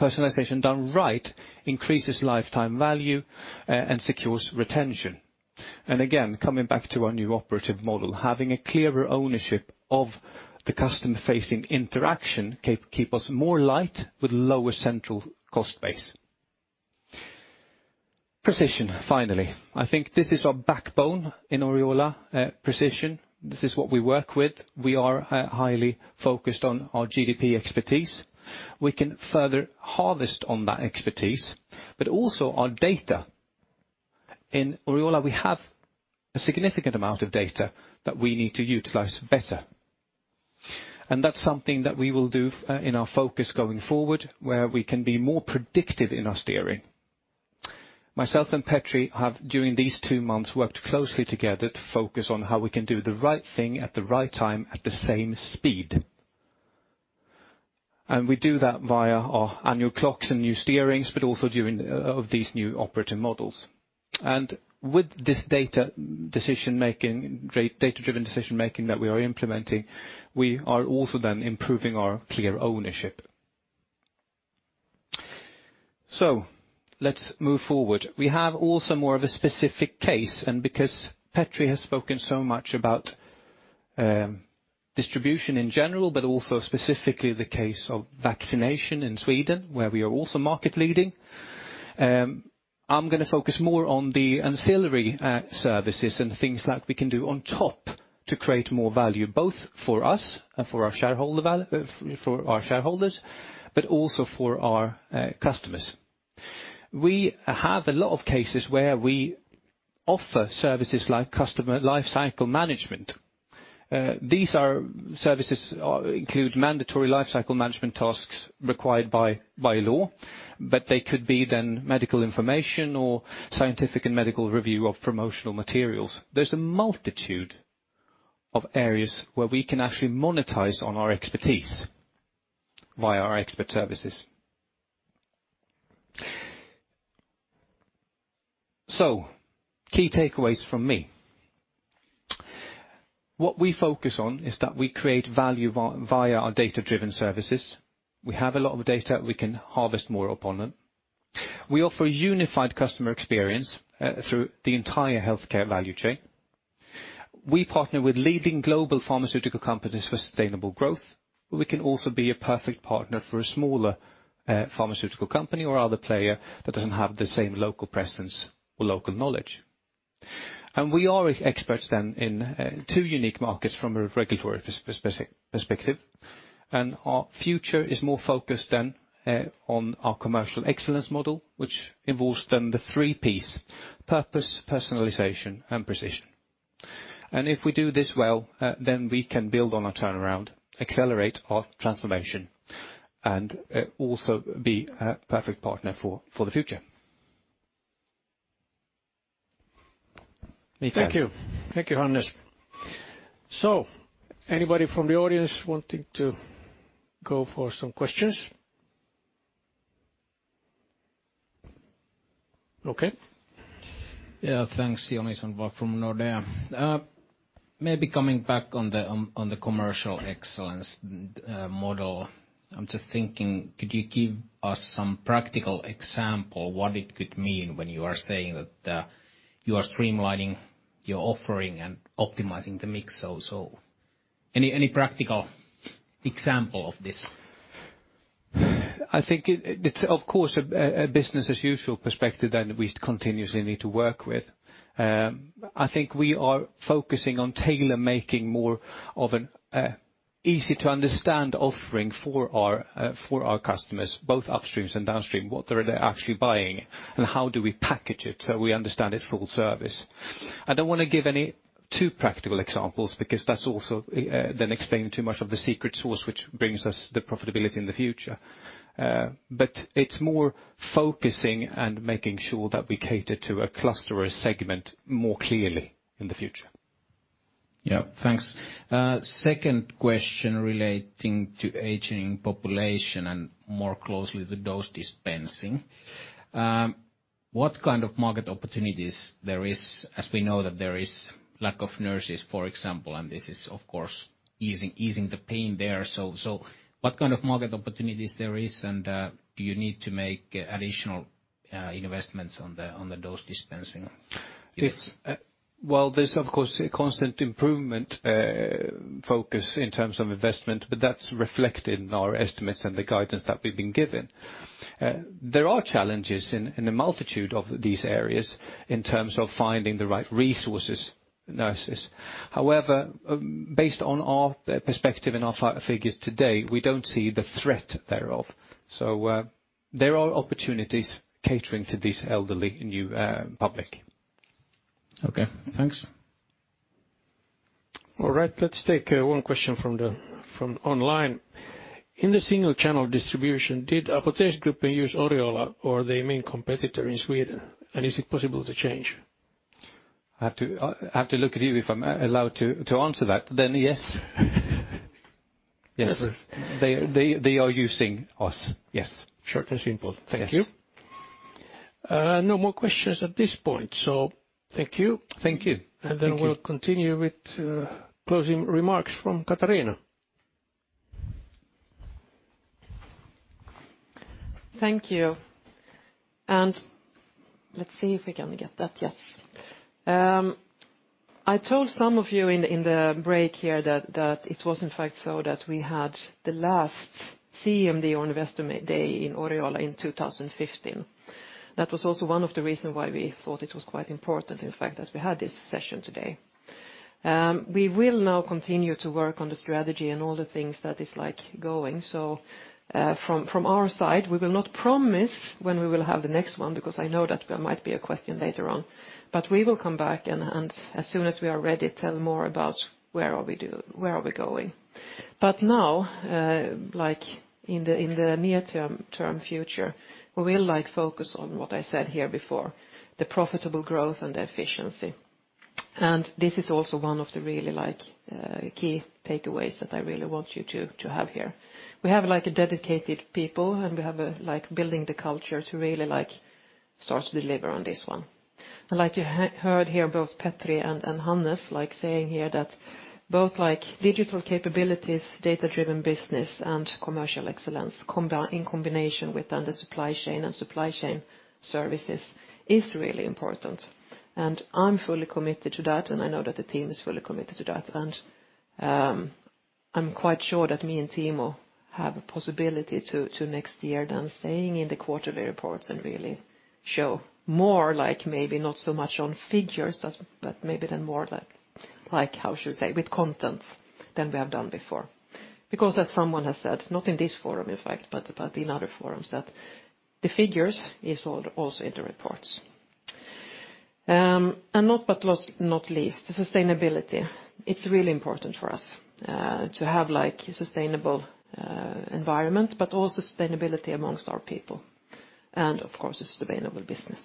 personalization done right increases lifetime value and secures retention. Again, coming back to our new operative model, having a clearer ownership of the customer-facing interaction keep us more light with lower central cost base. Precision, finally. I think this is our backbone in Oriola, precision. This is what we work with. We are highly focused on our GDP expertise. We can further harvest on that expertise, also our data. In Oriola, we have a significant amount of data that we need to utilize better, that's something that we will do in our focus going forward, where we can be more predictive in our steering. Myself and Petri have, during these two months, worked closely together to focus on how we can do the right thing at the right time, at the same speed. We do that via our annual clocks and new steerings, but also of these new operative models. With this data-driven decision-making that we are implementing, we are also then improving our clear ownership. Let's move forward. We have also more of a specific case, and because Petri has spoken so much about distribution in general, but also specifically the case of vaccination in Sweden, where we are also market leading, I'm gonna focus more on the ancillary services and things that we can do on top to create more value, both for us and for our shareholders, but also for our customers. We have a lot of cases where we offer services like customer lifecycle management. These are services include mandatory lifecycle management tasks required by law, but they could be then medical information or scientific and medical review of promotional materials. There's a multitude of areas where we can actually monetize on our expertise via our expert services. Key takeaways from me. What we focus on is that we create value via our data-driven services. We have a lot of data, we can harvest more upon them. We offer a unified customer experience through the entire healthcare value chain. We partner with leading global pharmaceutical companies for sustainable growth, but we can also be a perfect partner for a smaller pharmaceutical company or other player that doesn't have the same local presence or local knowledge. We are e-experts then in two unique markets from a regulatory perspective, and our future is more focused than on our commercial excellence model, which involves then the three Ps: Purpose, personalization, and precision. If we do this well, then we can build on our turnaround, accelerate our transformation, and also be a perfect partner for the future. Mikke? Thank you. Thank you, Hannes. Anybody from the audience wanting to go for some questions? Okay. Yeah, thanks. Joni Sandvall from Nordea. Maybe coming back on the commercial excellence model. I'm just thinking, could you give us some practical example what it could mean when you are saying that you are streamlining your offering and optimizing the mix? Any practical example of this? I think it's of course a business-as-usual perspective that we continuously need to work with. I think we are focusing on tailor-making more of an easy-to-understand offering for our customers, both upstreams and downstream, what they're actually buying and how do we package it so we understand it's full service. I don't wanna give any too practical examples because that's also then explaining too much of the secret sauce which brings us the profitability in the future. It's more focusing and making sure that we cater to a cluster or a segment more clearly in the future. Thanks. Second question relating to aging population and more closely with dose dispensing. What kind of market opportunities there is, as we know that there is lack of nurses, for example, and this is of course easing the pain there, and do you need to make additional investments on the dose dispensing? It's, well, there's of course a constant improvement, focus in terms of investment. That's reflected in our estimates and the guidance that we've been given. There are challenges in the multitude of these areas in terms of finding the right resources, nurses. However, based on our perspective and our figures today, we don't see the threat thereof. There are opportunities catering to this elderly new, public. Okay, thanks. All right, let's take, one question from online. In the single channel distribution, did Apoteksgruppen use Oriola or their main competitor in Sweden? Is it possible to change? I have to look at you if I'm allowed to answer that. Then, yes. Yes. They are using us, yes. Short and simple. Thank you. Yes. No more questions at this point, so thank you. Thank you. Thank you. We'll continue with, closing remarks from Katarina. Thank you. Let's see if we can get that. Yes. I told some of you in the break here that it was in fact so that we had the last CMD on Investor Day in Oriola in 2015. That was also one of the reason why we thought it was quite important, in fact, that we had this session today. We will now continue to work on the strategy and all the things that is, like, going. From our side, we will not promise when we will have the next one, because I know that there might be a question later on. We will come back and as soon as we are ready, tell more about where are we going. Now, like, in the near term future, we will, like, focus on what I said here before, the profitable growth and efficiency. This is also one of the really, like, key takeaways that I really want you to have here. We have, like, dedicated people, and we have, like, building the culture to really, like, start to deliver on this one. Like you heard here, both Petri and Hannes like saying here that both, like, digital capabilities, data-driven business, and commercial excellence in combination with then the supply chain and supply chain services is really important. I'm fully committed to that, and I know that the team is fully committed to that. I'm quite sure that me and Timo have a possibility to next year than staying in the quarterly reports and really show more like maybe not so much on figures but maybe then more like how should I say, with content than we have done before. As someone has said, not in this forum in fact, but in other forums, that the figures is also in the reports. Last but not least, sustainability. It's really important for us to have, like, sustainable environment, but also sustainability amongst our people. And of course a sustainable business.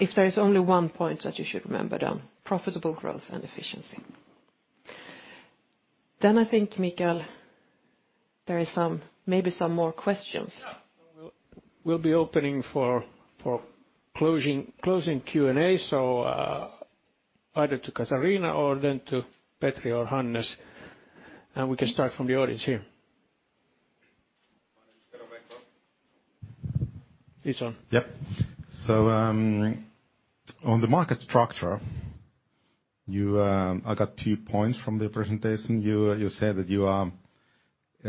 If there is only one point that you should remember, then profitable growth and efficiency. I think, Mikael, there is some, maybe some more questions. Yeah. We'll be opening for closing Q&A. Either to Katarina or then to Petri or Hannes, and we can start from the audience here. He's on. Yep. On the market structure, I got two points from the presentation. You said that you are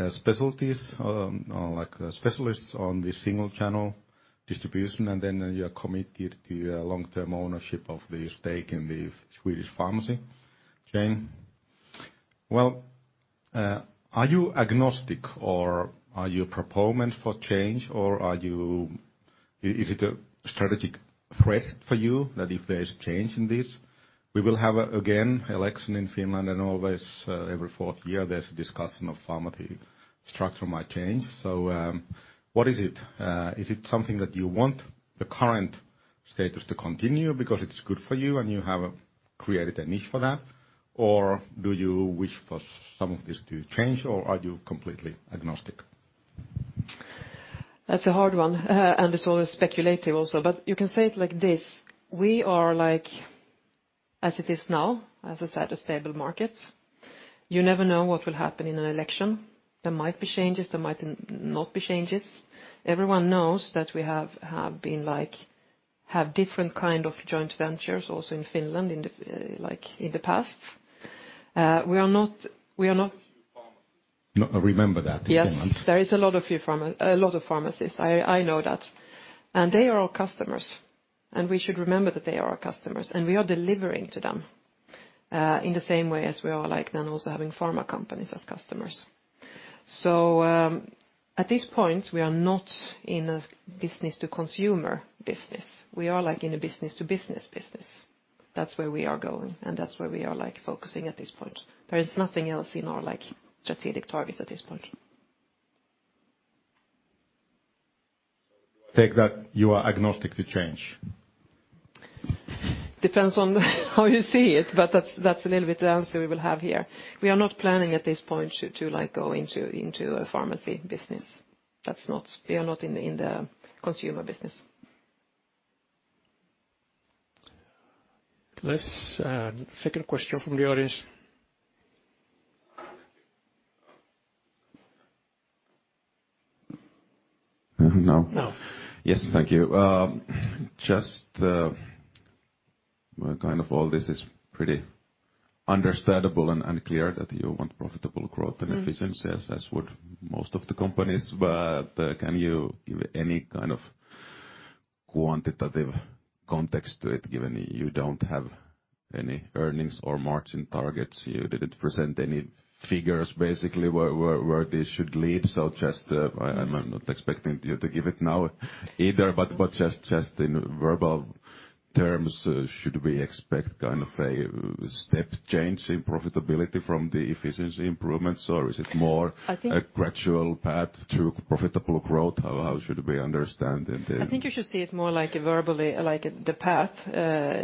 specialties, or like, specialists on the single-channel distribution, and then you are committed to long-term ownership of the stake in the Swedish pharmacy chain. Well, are you agnostic, or are you a proponent for change, or is it a strategic threat for you that if there's change in this, we will have again, election in Finland and always, every fourth year there's a discussion of pharmacy structure might change. What is it? Is it something that you want the current status to continue because it's good for you and you have created a niche for that? Or do you wish for some of this to change, or are you completely agnostic? That's a hard one, and it's always speculative also. You can say it like this: We are like, as it is now, as I said, a stable market. You never know what will happen in an election. There might be changes, there might not be changes. Everyone knows that we have been like, have different kind of joint ventures also in Finland, like, in the past. We are not I remember that in Finland. Yes. There is a lot of pharmacies. I know that. They are our customers, and we should remember that they are our customers, and we are delivering to them in the same way as we are like then also having pharma companies as customers. At this point, we are not in a business-to-consumer business. We are like in a business-to-business business. That's where we are going, and that's where we are, like, focusing at this point. There is nothing else in our, like, strategic target at this point. Take that you are agnostic to change? Depends on how you see it, but that's a little bit the answer we will have here. We are not planning at this point to, like, go into a pharmacy business. We are not in the consumer business. Let's, second question from the audience. No? No. Yes. Thank you. Just, well, kind of all this is pretty understandable and clear that you want profitable growth and efficiency- Mm-hmm ...as would most of the companies. Can you give any kind of quantitative context to it, given you don't have any earnings or margin targets, you didn't present any figures, basically, where this should lead? I'm not expecting you to give it now either, but just in verbal terms, should we expect kind of a step change in profitability from the efficiency improvements, or is it more... I think- ...a gradual path to profitable growth? How should we understand it. I think you should see it more like verbally, like the path.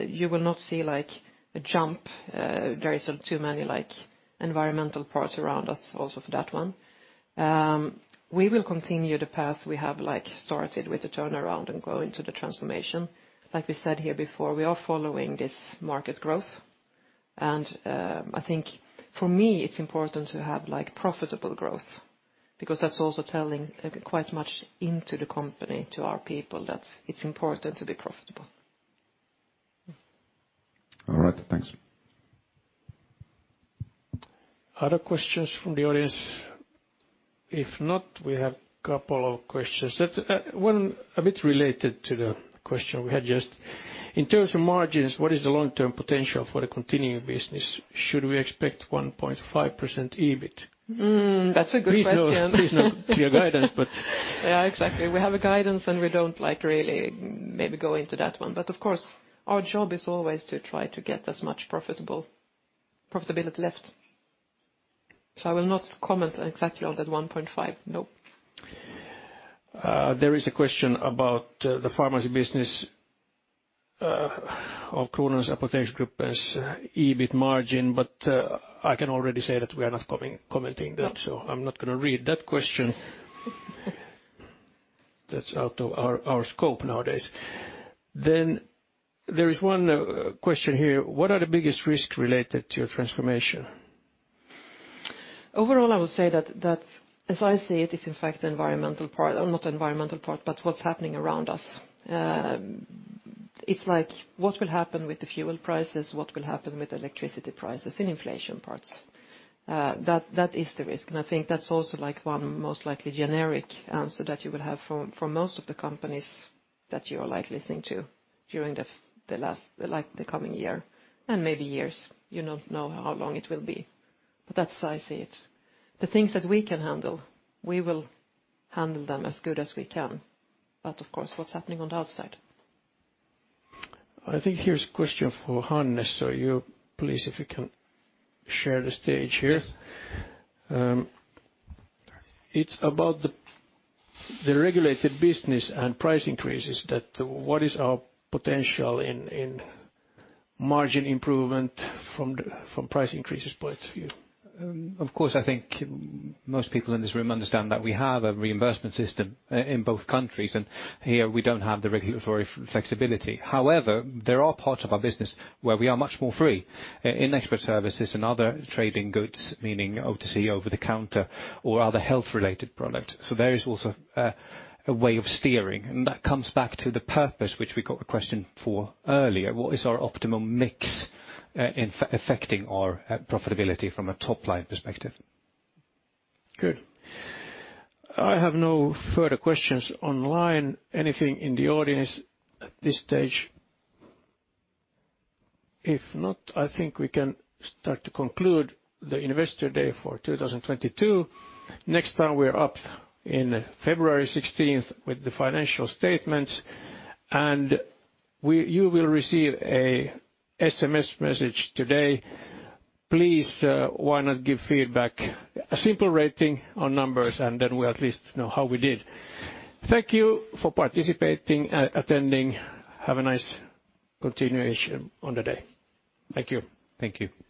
You will not see, like, a jump. There is too many, like, environmental parts around us also for that one. We will continue the path we have, like, started with the turnaround and go into the transformation. Like we said here before, we are following this market growth. I think for me, it's important to have, like, profitable growth because that's also telling quite much into the company, to our people, that it's important to be profitable. All right. Thanks. Other questions from the audience? If not, we have couple of questions. One a bit related to the question we had just. In terms of margins, what is the long-term potential for the continuing business? Should we expect 1.5% EBIT? That's a good question. Please, no clear guidance, but... Yeah, exactly. We have a guidance. We don't, like, really maybe go into that one. Of course, our job is always to try to get as much profitability left. I will not comment exactly on that 1.5, no. There is a question about the pharmacy business of Kronans Apoteks group's EBIT margin, but I can already say that we are not commenting that. No. I'm not gonna read that question. That's out of our scope nowadays. There is one question here: "What are the biggest risks related to your transformation?" Overall, I would say that as I see it's in fact the environmental part, or not environmental part, but what's happening around us. It's like what will happen with the fuel prices, what will happen with electricity prices and inflation parts. That is the risk, and I think that's also, like, one most likely generic answer that you will have from most of the companies that you are, like, listening to during the last, like, the coming year, and maybe years. You don't know how long it will be, but that's how I see it. The things that we can handle, we will handle them as good as we can. Of course, what's happening on the outside. I think here's a question for Hannes. You, please, if you can share the stage here. Yes. It's about the regulated business and price increases that what is our potential in margin improvement from price increases point of view? Of course, I think most people in this room understand that we have a reimbursement system in both countries. Here we don't have the regulatory flexibility. However, there are parts of our business where we are much more free in expert services and other trading goods, meaning OTC, over-the-counter, or other health-related products. There is also a way of steering, and that comes back to the purpose which we got a question for earlier. What is our optimum mix in affecting our profitability from a top-line perspective? Good. I have no further questions online. Anything in the audience at this stage? If not, I think we can start to conclude the Investor Day for 2022. Next time we're up in February 16th with the financial statements. You will receive a SMS message today. Please, why not give feedback? A simple rating on numbers, and then we at least know how we did. Thank you for participating, attending. Have a nice continuation on the day. Thank you. Thank you. Thank you.